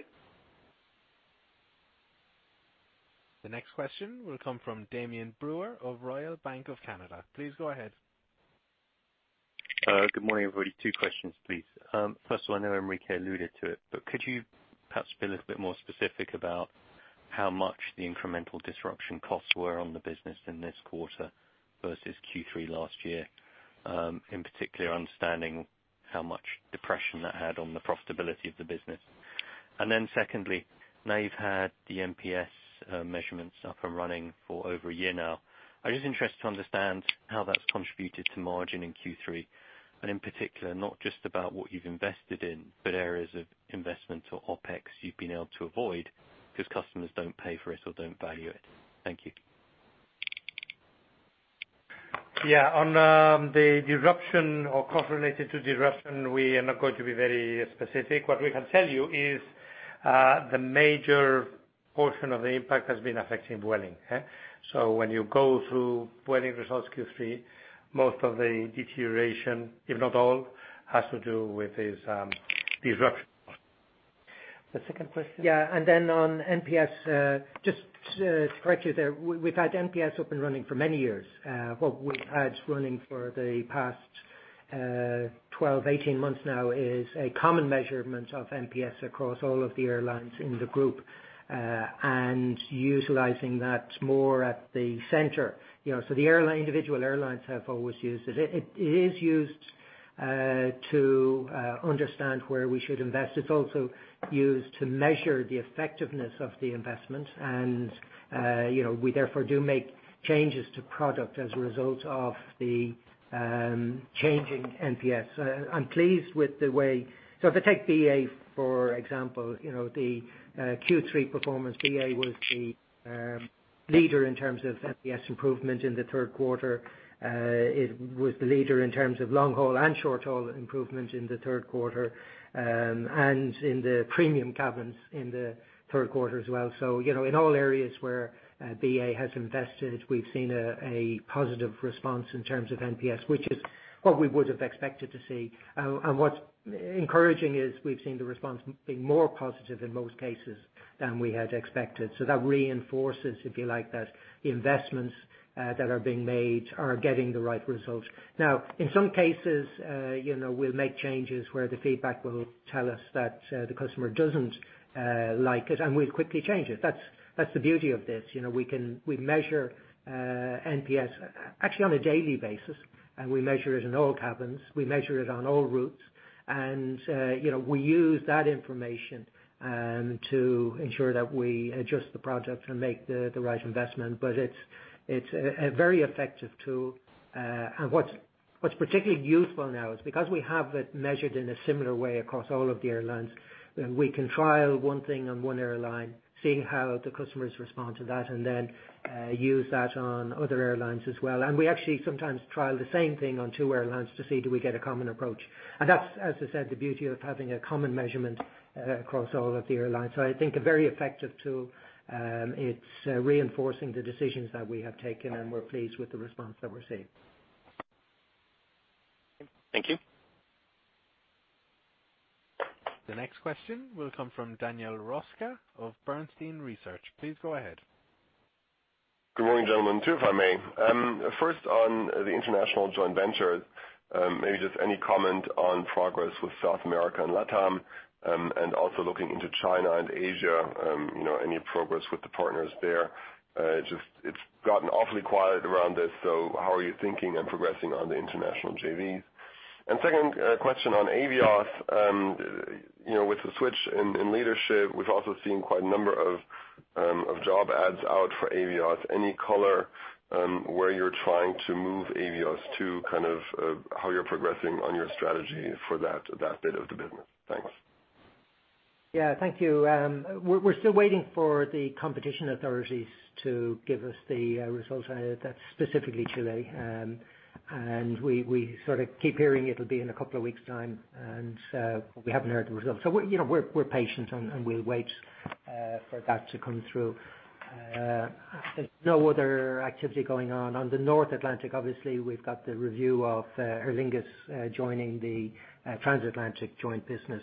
The next question will come from Damian Brewer of Royal Bank of Canada. Please go ahead. Good morning, everybody. Two questions, please. First one, I know Enrique alluded to it, could you perhaps be a little bit more specific about how much the incremental disruption costs were on the business in this quarter versus Q3 last year? In particular, understanding how much depression that had on the profitability of the business. Secondly, now you've had the NPS measurements up and running for over a year now. I'm just interested to understand how that's contributed to margin in Q3, and in particular, not just about what you've invested in, but areas of investment or OpEx you've been able to avoid because customers don't pay for it or don't value it. Thank you. Yeah. On the disruption or cost related to disruption, we are not going to be very specific. What we can tell you is the major portion of the impact has been affecting Vueling. When you go through Vueling results Q3, most of the deterioration, if not all, has to do with these disruption. The second question? Yeah. On NPS, just to correct you there, we've had NPS up and running for many years. What we've had running for the past 12, 18 months now is a common measurement of NPS across all of the airlines in the group, and utilizing that more at the center. The individual airlines have always used it. It is used to understand where we should invest. It's also used to measure the effectiveness of the investment. We therefore do make changes to product as a result of the changing NPS. If I take BA, for example, the Q3 performance, BA was the leader in terms of NPS improvement in the third quarter. It was the leader in terms of long-haul and short-haul improvement in the third quarter, and in the premium cabins in the third quarter as well. In all areas where BA has invested, we've seen a positive response in terms of NPS, which is what we would have expected to see. What's encouraging is we've seen the response being more positive in most cases than we had expected. That reinforces, if you like, that the investments that are being made are getting the right results. Now, in some cases, we'll make changes where the feedback will tell us that the customer doesn't like it, and we'll quickly change it. That's the beauty of this. We measure NPS actually on a daily basis, and we measure it in all cabins. We measure it on all routes. We use that information to ensure that we adjust the product and make the right investment. It's a very effective tool. What's particularly useful now is because we have it measured in a similar way across all of the airlines, we can trial one thing on one airline, seeing how the customers respond to that, then use that on other airlines as well. We actually sometimes trial the same thing on two airlines to see do we get a common approach. That's, as I said, the beauty of having a common measurement across all of the airlines. I think a very effective tool. It's reinforcing the decisions that we have taken, and we're pleased with the response that we're seeing. Thank you. The next question will come from Daniel Röska of Bernstein Research. Please go ahead. Good morning, gentlemen. Two, if I may. First on the international joint venture, maybe just any comment on progress with South America and LATAM, also looking into China and Asia, any progress with the partners there? It's gotten awfully quiet around this, so how are you thinking and progressing on the international JVs? Second question on Avios. With the switch in leadership, we've also seen quite a number of job ads out for Avios. Any color where you're trying to move Avios to kind of how you're progressing on your strategy for that bit of the business? Thanks. Yeah. Thank you. We're still waiting for the competition authorities to give us the results on that, specifically Chile. We sort of keep hearing it'll be in a couple of weeks' time, and we haven't heard the results. We're patient and we'll wait for that to come through. There's no other activity going on. On the North Atlantic, obviously, we've got the review of Aer Lingus joining the Transatlantic joint business.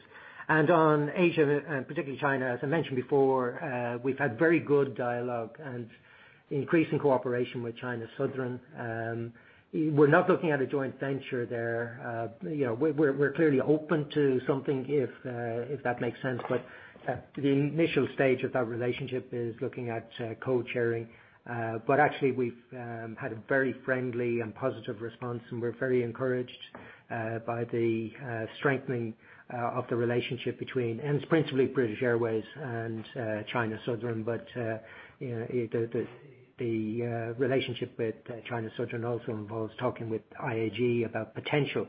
On Asia, and particularly China, as I mentioned before, we've had very good dialogue and increasing cooperation with China Southern. We're not looking at a joint venture there. We're clearly open to something if that makes sense. The initial stage of that relationship is looking at codesharing. Actually we've had a very friendly and positive response, and we're very encouraged by the strengthening of the relationship between British Airways and China Southern. The relationship with China Southern also involves talking with IAG about potential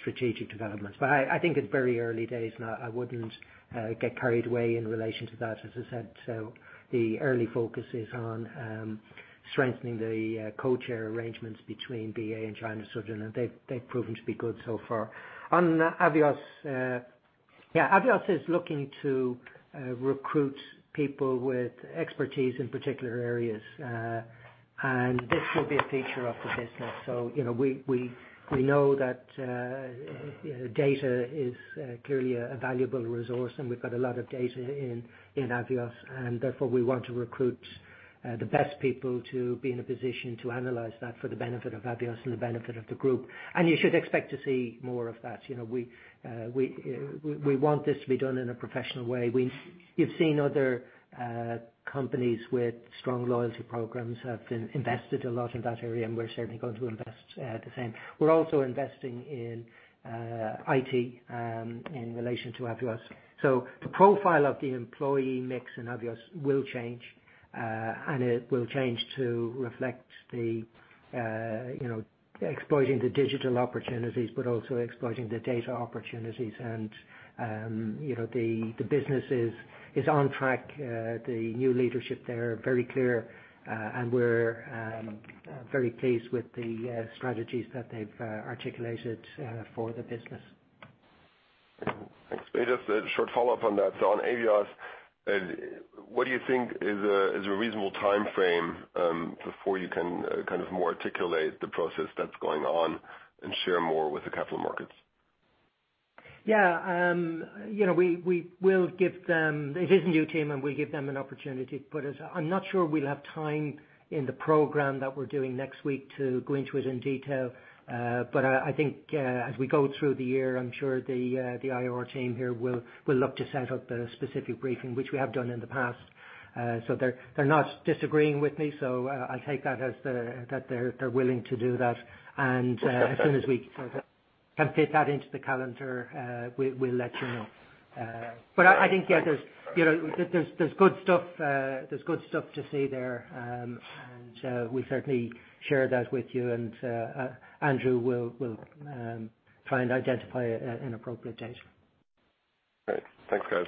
strategic developments. I think it's very early days, and I wouldn't get carried away in relation to that. As I said, the early focus is on strengthening the codeshare arrangements between BA and China Southern, and they've proven to be good so far. On Avios is looking to recruit people with expertise in particular areas. This will be a feature of the business. We know that data is clearly a valuable resource, and we've got a lot of data in Avios, and therefore we want to recruit the best people to be in a position to analyze that for the benefit of Avios and the benefit of the group. You should expect to see more of that. We want this to be done in a professional way. You've seen other companies with strong loyalty programs have invested a lot in that area, and we're certainly going to invest the same. We're also investing in IT, in relation to Avios. The profile of the employee mix in Avios will change, and it will change to reflect the exploiting the digital opportunities, but also exploiting the data opportunities. The business is on track. The new leadership there are very clear, and we're very pleased with the strategies that they've articulated for the business. Thanks. On Avios, what do you think is a reasonable timeframe before you can more articulate the process that's going on and share more with the capital markets? Yeah. It is a new team, we'll give them an opportunity. I'm not sure we'll have time in the program that we're doing next week to go into it in detail. I think, as we go through the year, I'm sure the IR team here will look to set up a specific briefing, which we have done in the past. They're not disagreeing with me. I'll take that as they're willing to do that. As soon as we can fit that into the calendar, we'll let you know. I think, yeah, there's good stuff to see there. We'll certainly share that with you and, Andrew will try and identify an appropriate date. Great. Thanks, guys.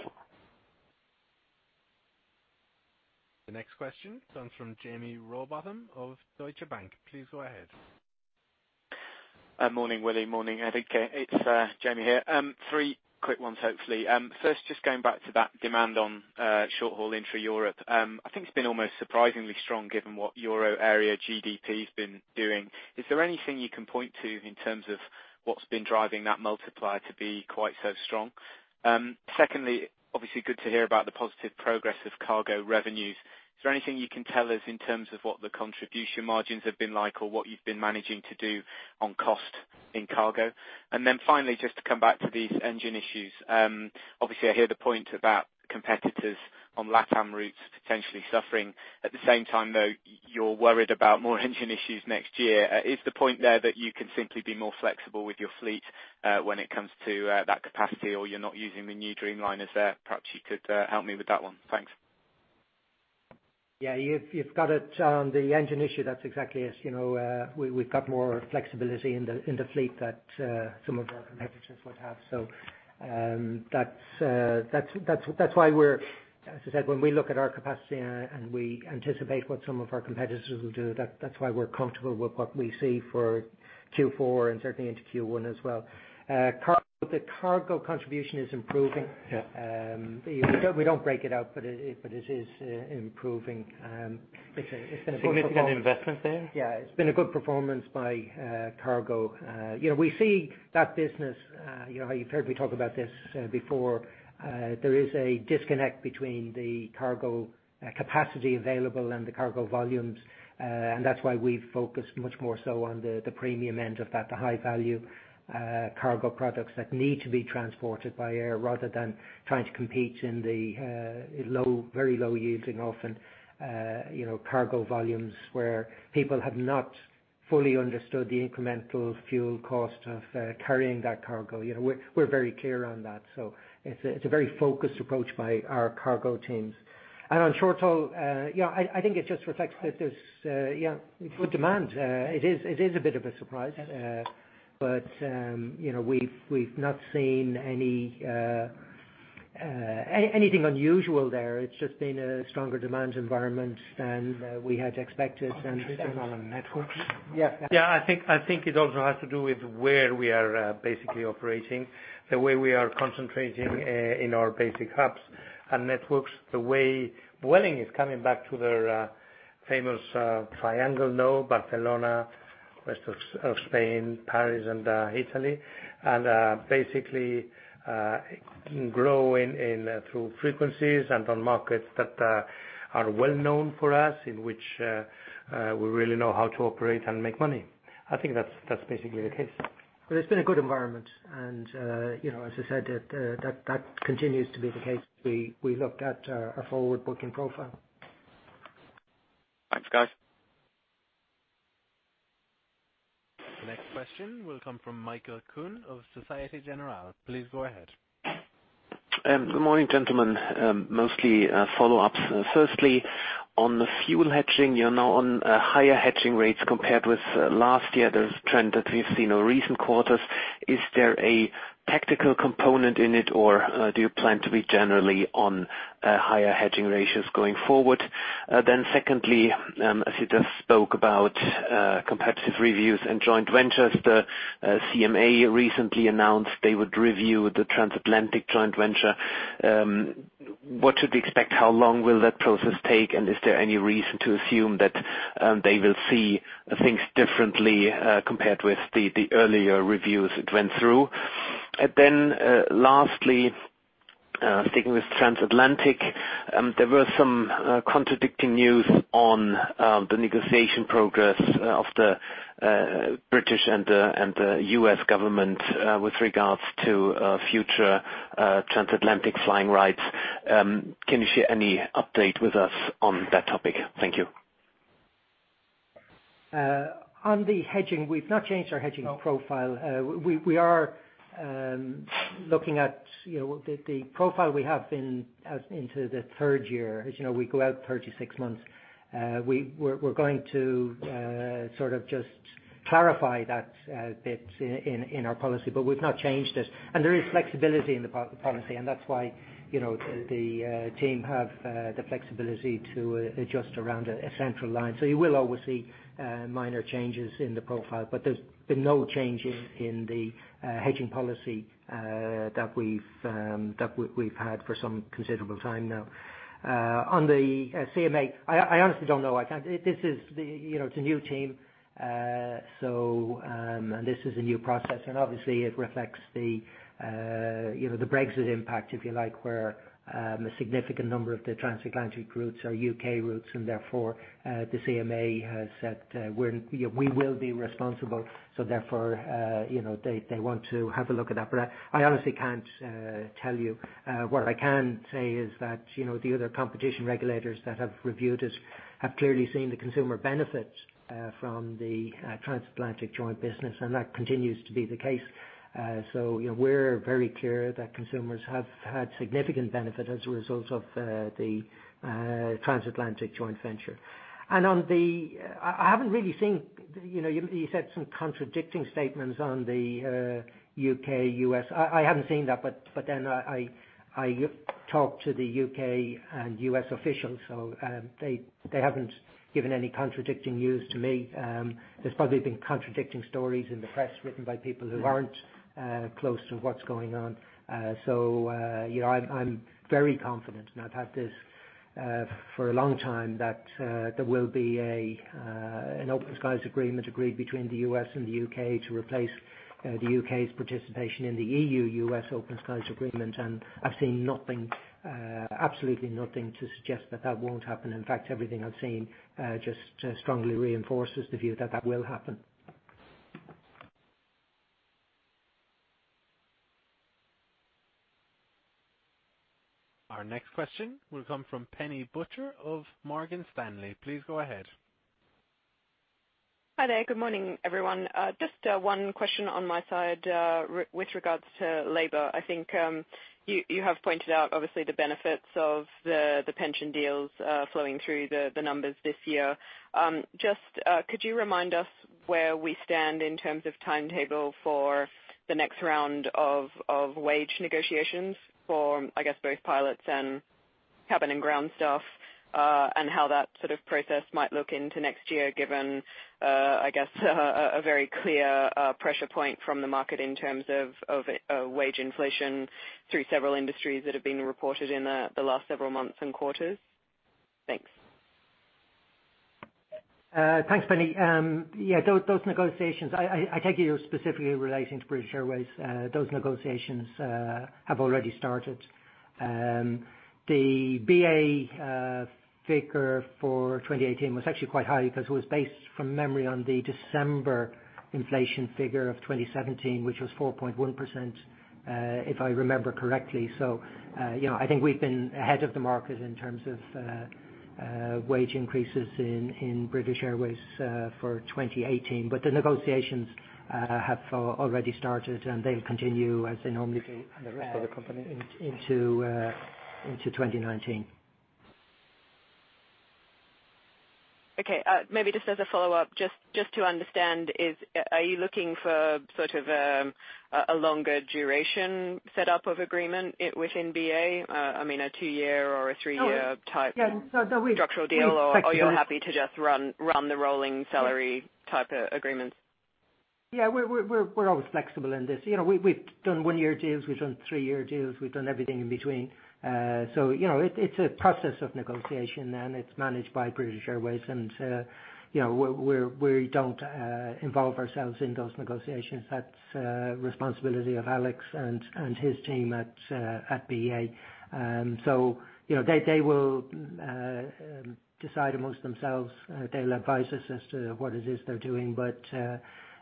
The next question comes from Jaime Rowbotham of Deutsche Bank. Please go ahead. Morning, Willie. Morning, Enrique. It's Jaime here. Three quick ones, hopefully. Just going back to that demand on short-haul intra-Europe, I think it's been almost surprisingly strong given what Euro area GDP's been doing. Is there anything you can point to in terms of what's been driving that multiplier to be quite so strong? Obviously good to hear about the positive progress of cargo revenues. Is there anything you can tell us in terms of what the contribution margins have been like or what you've been managing to do on cost in cargo? Finally, just to come back to these engine issues. Obviously, I hear the point about competitors on LatAm routes potentially suffering. At the same time, you're worried about more engine issues next year. Is the point there that you can simply be more flexible with your fleet, when it comes to that capacity or you're not using the new Dreamliners there? Perhaps you could help me with that one. Thanks. You've got it on the engine issue. That's exactly it. We've got more flexibility in the fleet that some of our competitors would have. That's why we're, as I said, when we look at our capacity and we anticipate what some of our competitors will do, that's why we're comfortable with what we see for Q4 and certainly into Q1 as well. The cargo contribution is improving. Yeah. We don't break it out. It is improving. It's been a good performance. Significant investment there? Yeah, it's been a good performance by Cargo. We see that business, you've heard me talk about this before. There is a disconnect between the cargo capacity available and the cargo volumes. That's why we've focused much more so on the premium end of that, the high-value cargo products that need to be transported by air rather than trying to compete in the very low yielding, often cargo volumes where people have not fully understood the incremental fuel cost of carrying that cargo. We're very clear on that. So it's a very focused approach by our cargo teams. On short-haul, I think it just reflects that there's good demand. It is a bit of a surprise. Yeah. We've not seen anything unusual there. It's just been a stronger demand environment than we had expected. Interesting. And- Networks. Yeah. Yeah. I think it also has to do with where we are basically operating, the way we are concentrating in our basic hubs and networks, the way Vueling is coming back to their famous triangle now. Barcelona, west of Spain, Paris, and Italy. Basically growing through frequencies and on markets that are well-known for us, in which we really know how to operate and make money. I think that's basically the case. It's been a good environment. As I said, that continues to be the case. We looked at our forward booking profile. Thanks, guys. Next question will come from Michael Kuhn of Societe Generale. Please go ahead. Good morning, gentlemen. Mostly follow-ups. On the fuel hedging, you're now on higher hedging rates compared with last year. There's a trend that we've seen in recent quarters. Is there a tactical component in it, or do you plan to be generally on higher hedging ratios going forward? Secondly, as you just spoke about competitive reviews and joint ventures, the CMA recently announced they would review the transatlantic joint venture. What should we expect? How long will that process take, and is there any reason to assume that they will see things differently compared with the earlier reviews it went through? Lastly, sticking with transatlantic, there were some contradicting news on the negotiation progress of the British and the U.S. government with regards to future transatlantic flying rights. Can you share any update with us on that topic? Thank you. On the hedging, we've not changed our hedging profile. We are looking at the profile we have been into the third year. As you know, we go out 36 months. We're going to just clarify that bit in our policy, but we've not changed it. There is flexibility in the policy, and that's why the team have the flexibility to adjust around a central line. You will always see minor changes in the profile, but there's been no change in the hedging policy that we've had for some considerable time now. On the CMA, I honestly don't know. It's a new team. This is a new process, obviously it reflects the Brexit impact, if you like, where a significant number of the transatlantic routes are U.K. routes and therefore the CMA has said we will be responsible. Therefore, they want to have a look at that. I honestly can't tell you. What I can say is that the other competition regulators that have reviewed it have clearly seen the consumer benefit from the transatlantic joint business. That continues to be the case. We're very clear that consumers have had significant benefit as a result of the transatlantic joint venture. I haven't really seen, you said some contradicting statements on the U.K., U.S. I haven't seen that. I talked to the U.K. and U.S. officials. They haven't given any contradicting news to me. There's probably been contradicting stories in the press written by people who aren't close to what's going on. I'm very confident, I've had this for a long time, that there will be an Open Skies Agreement agreed between the U.S. and the U.K. to replace the U.K.'s participation in the EU-U.S. Open Skies Agreement. I've seen absolutely nothing to suggest that that won't happen. In fact, everything I've seen just strongly reinforces the view that that will happen. Our next question will come from Penny Butcher of Morgan Stanley. Please go ahead. Hi there. Good morning, everyone. Just one question on my side with regards to labor. I think you have pointed out, obviously, the benefits of the pension deals flowing through the numbers this year. Just could you remind us where we stand in terms of timetable for the next round of wage negotiations for, I guess both pilots and cabin and ground staff, and how that sort of process might look into next year, given, I guess, a very clear pressure point from the market in terms of wage inflation through several industries that have been reported in the last several months and quarters? Thanks. Thanks, Penny. Those negotiations, I take it you're specifically relating to British Airways. Those negotiations have already started. The BA figure for 2018 was actually quite high because it was based, from memory, on the December inflation figure of 2017, which was 4.1%, if I remember correctly. I think we've been ahead of the market in terms of wage increases in British Airways for 2018. The negotiations have already started, and they'll continue as they normally do The rest of the company into 2019. Okay. Maybe just as a follow-up, just to understand, are you looking for sort of a longer duration set up of agreement within BA? I mean, a two-year or a three-year Yeah, no. structural deal or are you happy to just run the rolling salary type agreements? Yeah, we're always flexible in this. We've done one-year deals. We've done three-year deals. We've done everything in between. It's a process of negotiation, and it's managed by British Airways and we don't involve ourselves in those negotiations. That's responsibility of Álex and his team at BA. They will decide amongst themselves. They'll advise us as to what it is they're doing.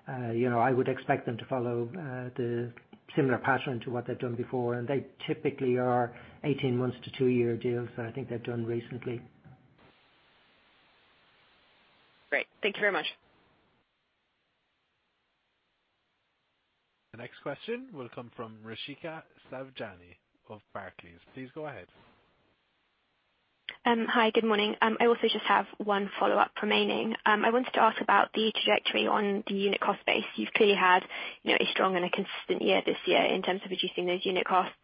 I would expect them to follow the similar pattern to what they've done before. They typically are 18 months to two-year deals that I think they've done recently. Great. Thank you very much. The next question will come from Rishika Savjani of Barclays. Please go ahead. Hi, good morning. I also just have one follow-up remaining. I wanted to ask about the trajectory on the unit cost base. You've clearly had a strong and a consistent year this year in terms of reducing those unit costs.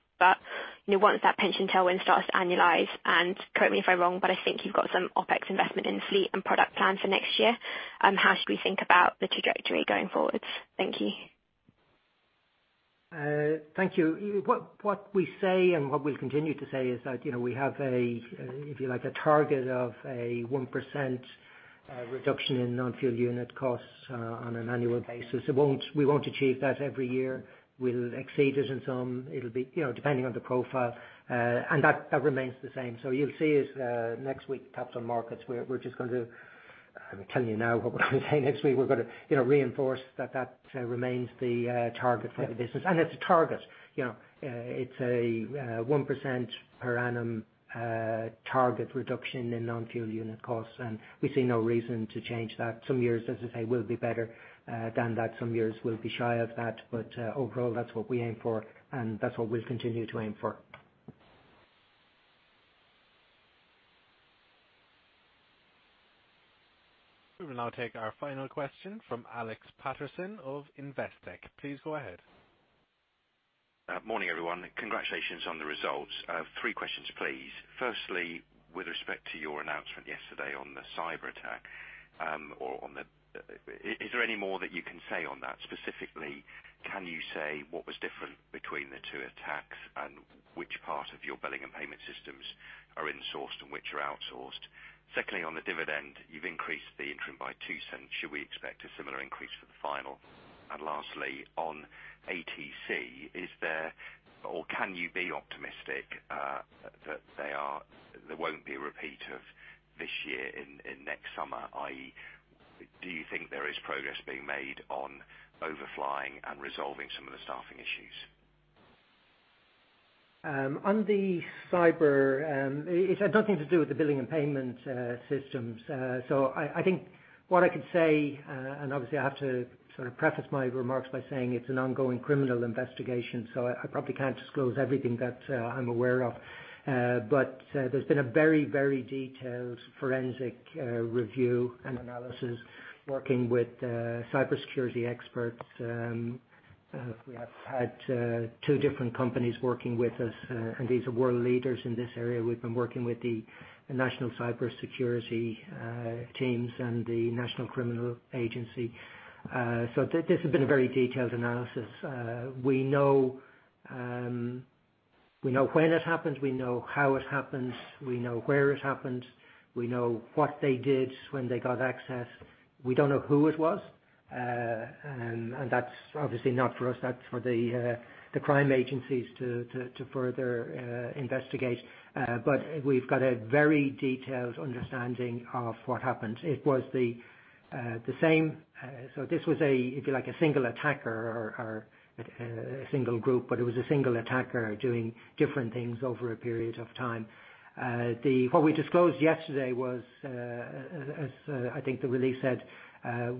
Once that pension tailwind starts to annualize, and correct me if I'm wrong, but I think you've got some OPEX investment in fleet and product plan for next year. How should we think about the trajectory going forwards? Thank you. Thank you. What we say and what we'll continue to say is that we have, if you like, a target of a 1% reduction in non-fuel unit costs on an annual basis. We won't achieve that every year. We'll exceed it in some, depending on the profile. That remains the same. You'll see next week, Capital Markets, I'm telling you now what we're going to say next week. We're going to reinforce that remains the target for the business. It's a target. It's a 1% per annum target reduction in non-fuel unit costs, and we see no reason to change that. Some years, as I say, will be better than that, some years will be shy of that. Overall, that's what we aim for, and that's what we'll continue to aim for. We will now take our final question from Alex Paterson of Investec. Please go ahead. Morning, everyone. Congratulations on the results. Three questions, please. Firstly, with respect to your announcement yesterday on the cyber attack, is there any more that you can say on that? Specifically, can you say what was different between the two attacks? Which part of your billing and payment systems are insourced and which are outsourced? Secondly, on the dividend, you've increased the interim by 0.02. Should we expect a similar increase for the final? Lastly, on ATC, is there or can you be optimistic that there won't be a repeat of this year in next summer, i.e., do you think there is progress being made on overflying and resolving some of the staffing issues? On the cyber, it had nothing to do with the billing and payment systems. I think what I could say, obviously I have to sort of preface my remarks by saying it's an ongoing criminal investigation, I probably can't disclose everything that I'm aware of. There's been a very detailed forensic review and analysis working with cybersecurity experts. We have had two different companies working with us, and these are world leaders in this area. We've been working with the national cybersecurity teams and the National Crime Agency. This has been a very detailed analysis. We know when it happened, we know how it happened, we know where it happened, we know what they did when they got access. We don't know who it was. That's obviously not for us, that's for the crime agencies to further investigate. We've got a very detailed understanding of what happened. This was a, if you like, a single attacker or a single group, it was a single attacker doing different things over a period of time. What we disclosed yesterday was, as I think the release said,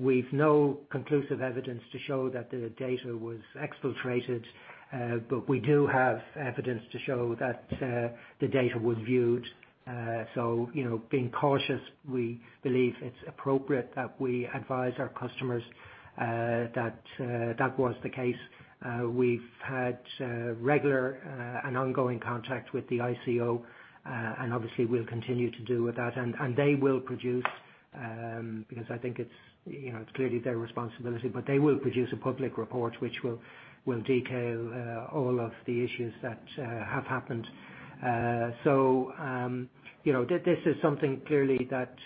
we've no conclusive evidence to show that the data was exfiltrated, we do have evidence to show that the data was viewed. Being cautious, we believe it's appropriate that we advise our customers that that was the case. We've had regular and ongoing contact with the ICO, obviously we'll continue to do with that. They will produce, because I think it's clearly their responsibility, they will produce a public report which will detail all of the issues that have happened. This is something clearly that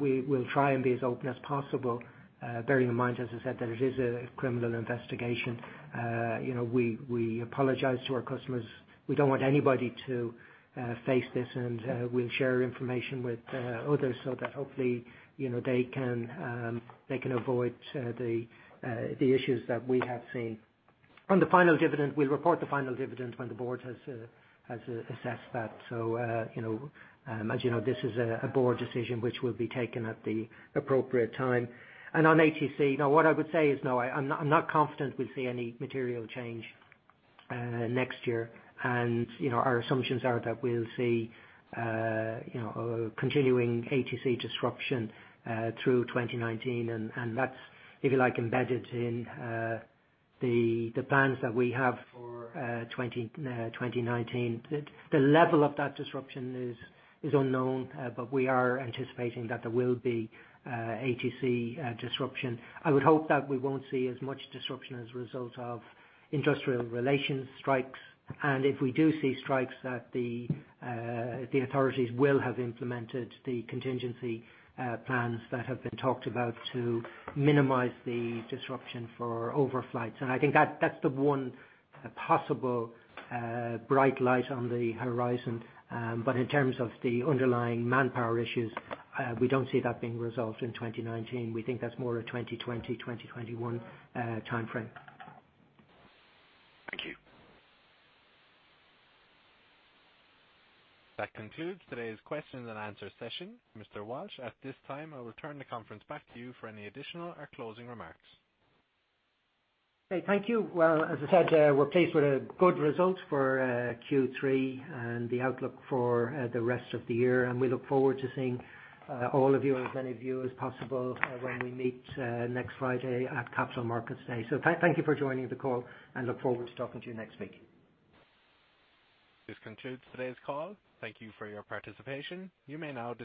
we will try and be as open as possible, bearing in mind, as I said, that it is a criminal investigation. We apologize to our customers. We don't want anybody to face this and we'll share information with others so that hopefully they can avoid the issues that we have seen. On the final dividend, we'll report the final dividend when the board has assessed that. As you know, this is a board decision which will be taken at the appropriate time. On ATC, now what I would say is, I'm not confident we'll see any material change next year. Our assumptions are that we'll see a continuing ATC disruption through 2019. That's, if you like, embedded in the plans that we have for 2019. The level of that disruption is unknown. We are anticipating that there will be ATC disruption. I would hope that we won't see as much disruption as a result of industrial relations strikes. If we do see strikes, that the authorities will have implemented the contingency plans that have been talked about to minimize the disruption for overflights. I think that's the one possible bright light on the horizon. In terms of the underlying manpower issues, we don't see that being resolved in 2019. We think that's more a 2020, 2021 timeframe. Thank you. That concludes today's question and answer session. Mr. Walsh, at this time, I'll return the conference back to you for any additional or closing remarks. Okay. Thank you. Well, as I said, we're pleased with good results for Q3 and the outlook for the rest of the year, and we look forward to seeing all of you or as many of you as possible when we meet next Friday at Capital Markets Day. Thank you for joining the call, and look forward to talking to you next week. This concludes today's call. Thank you for your participation. You may now disconnect.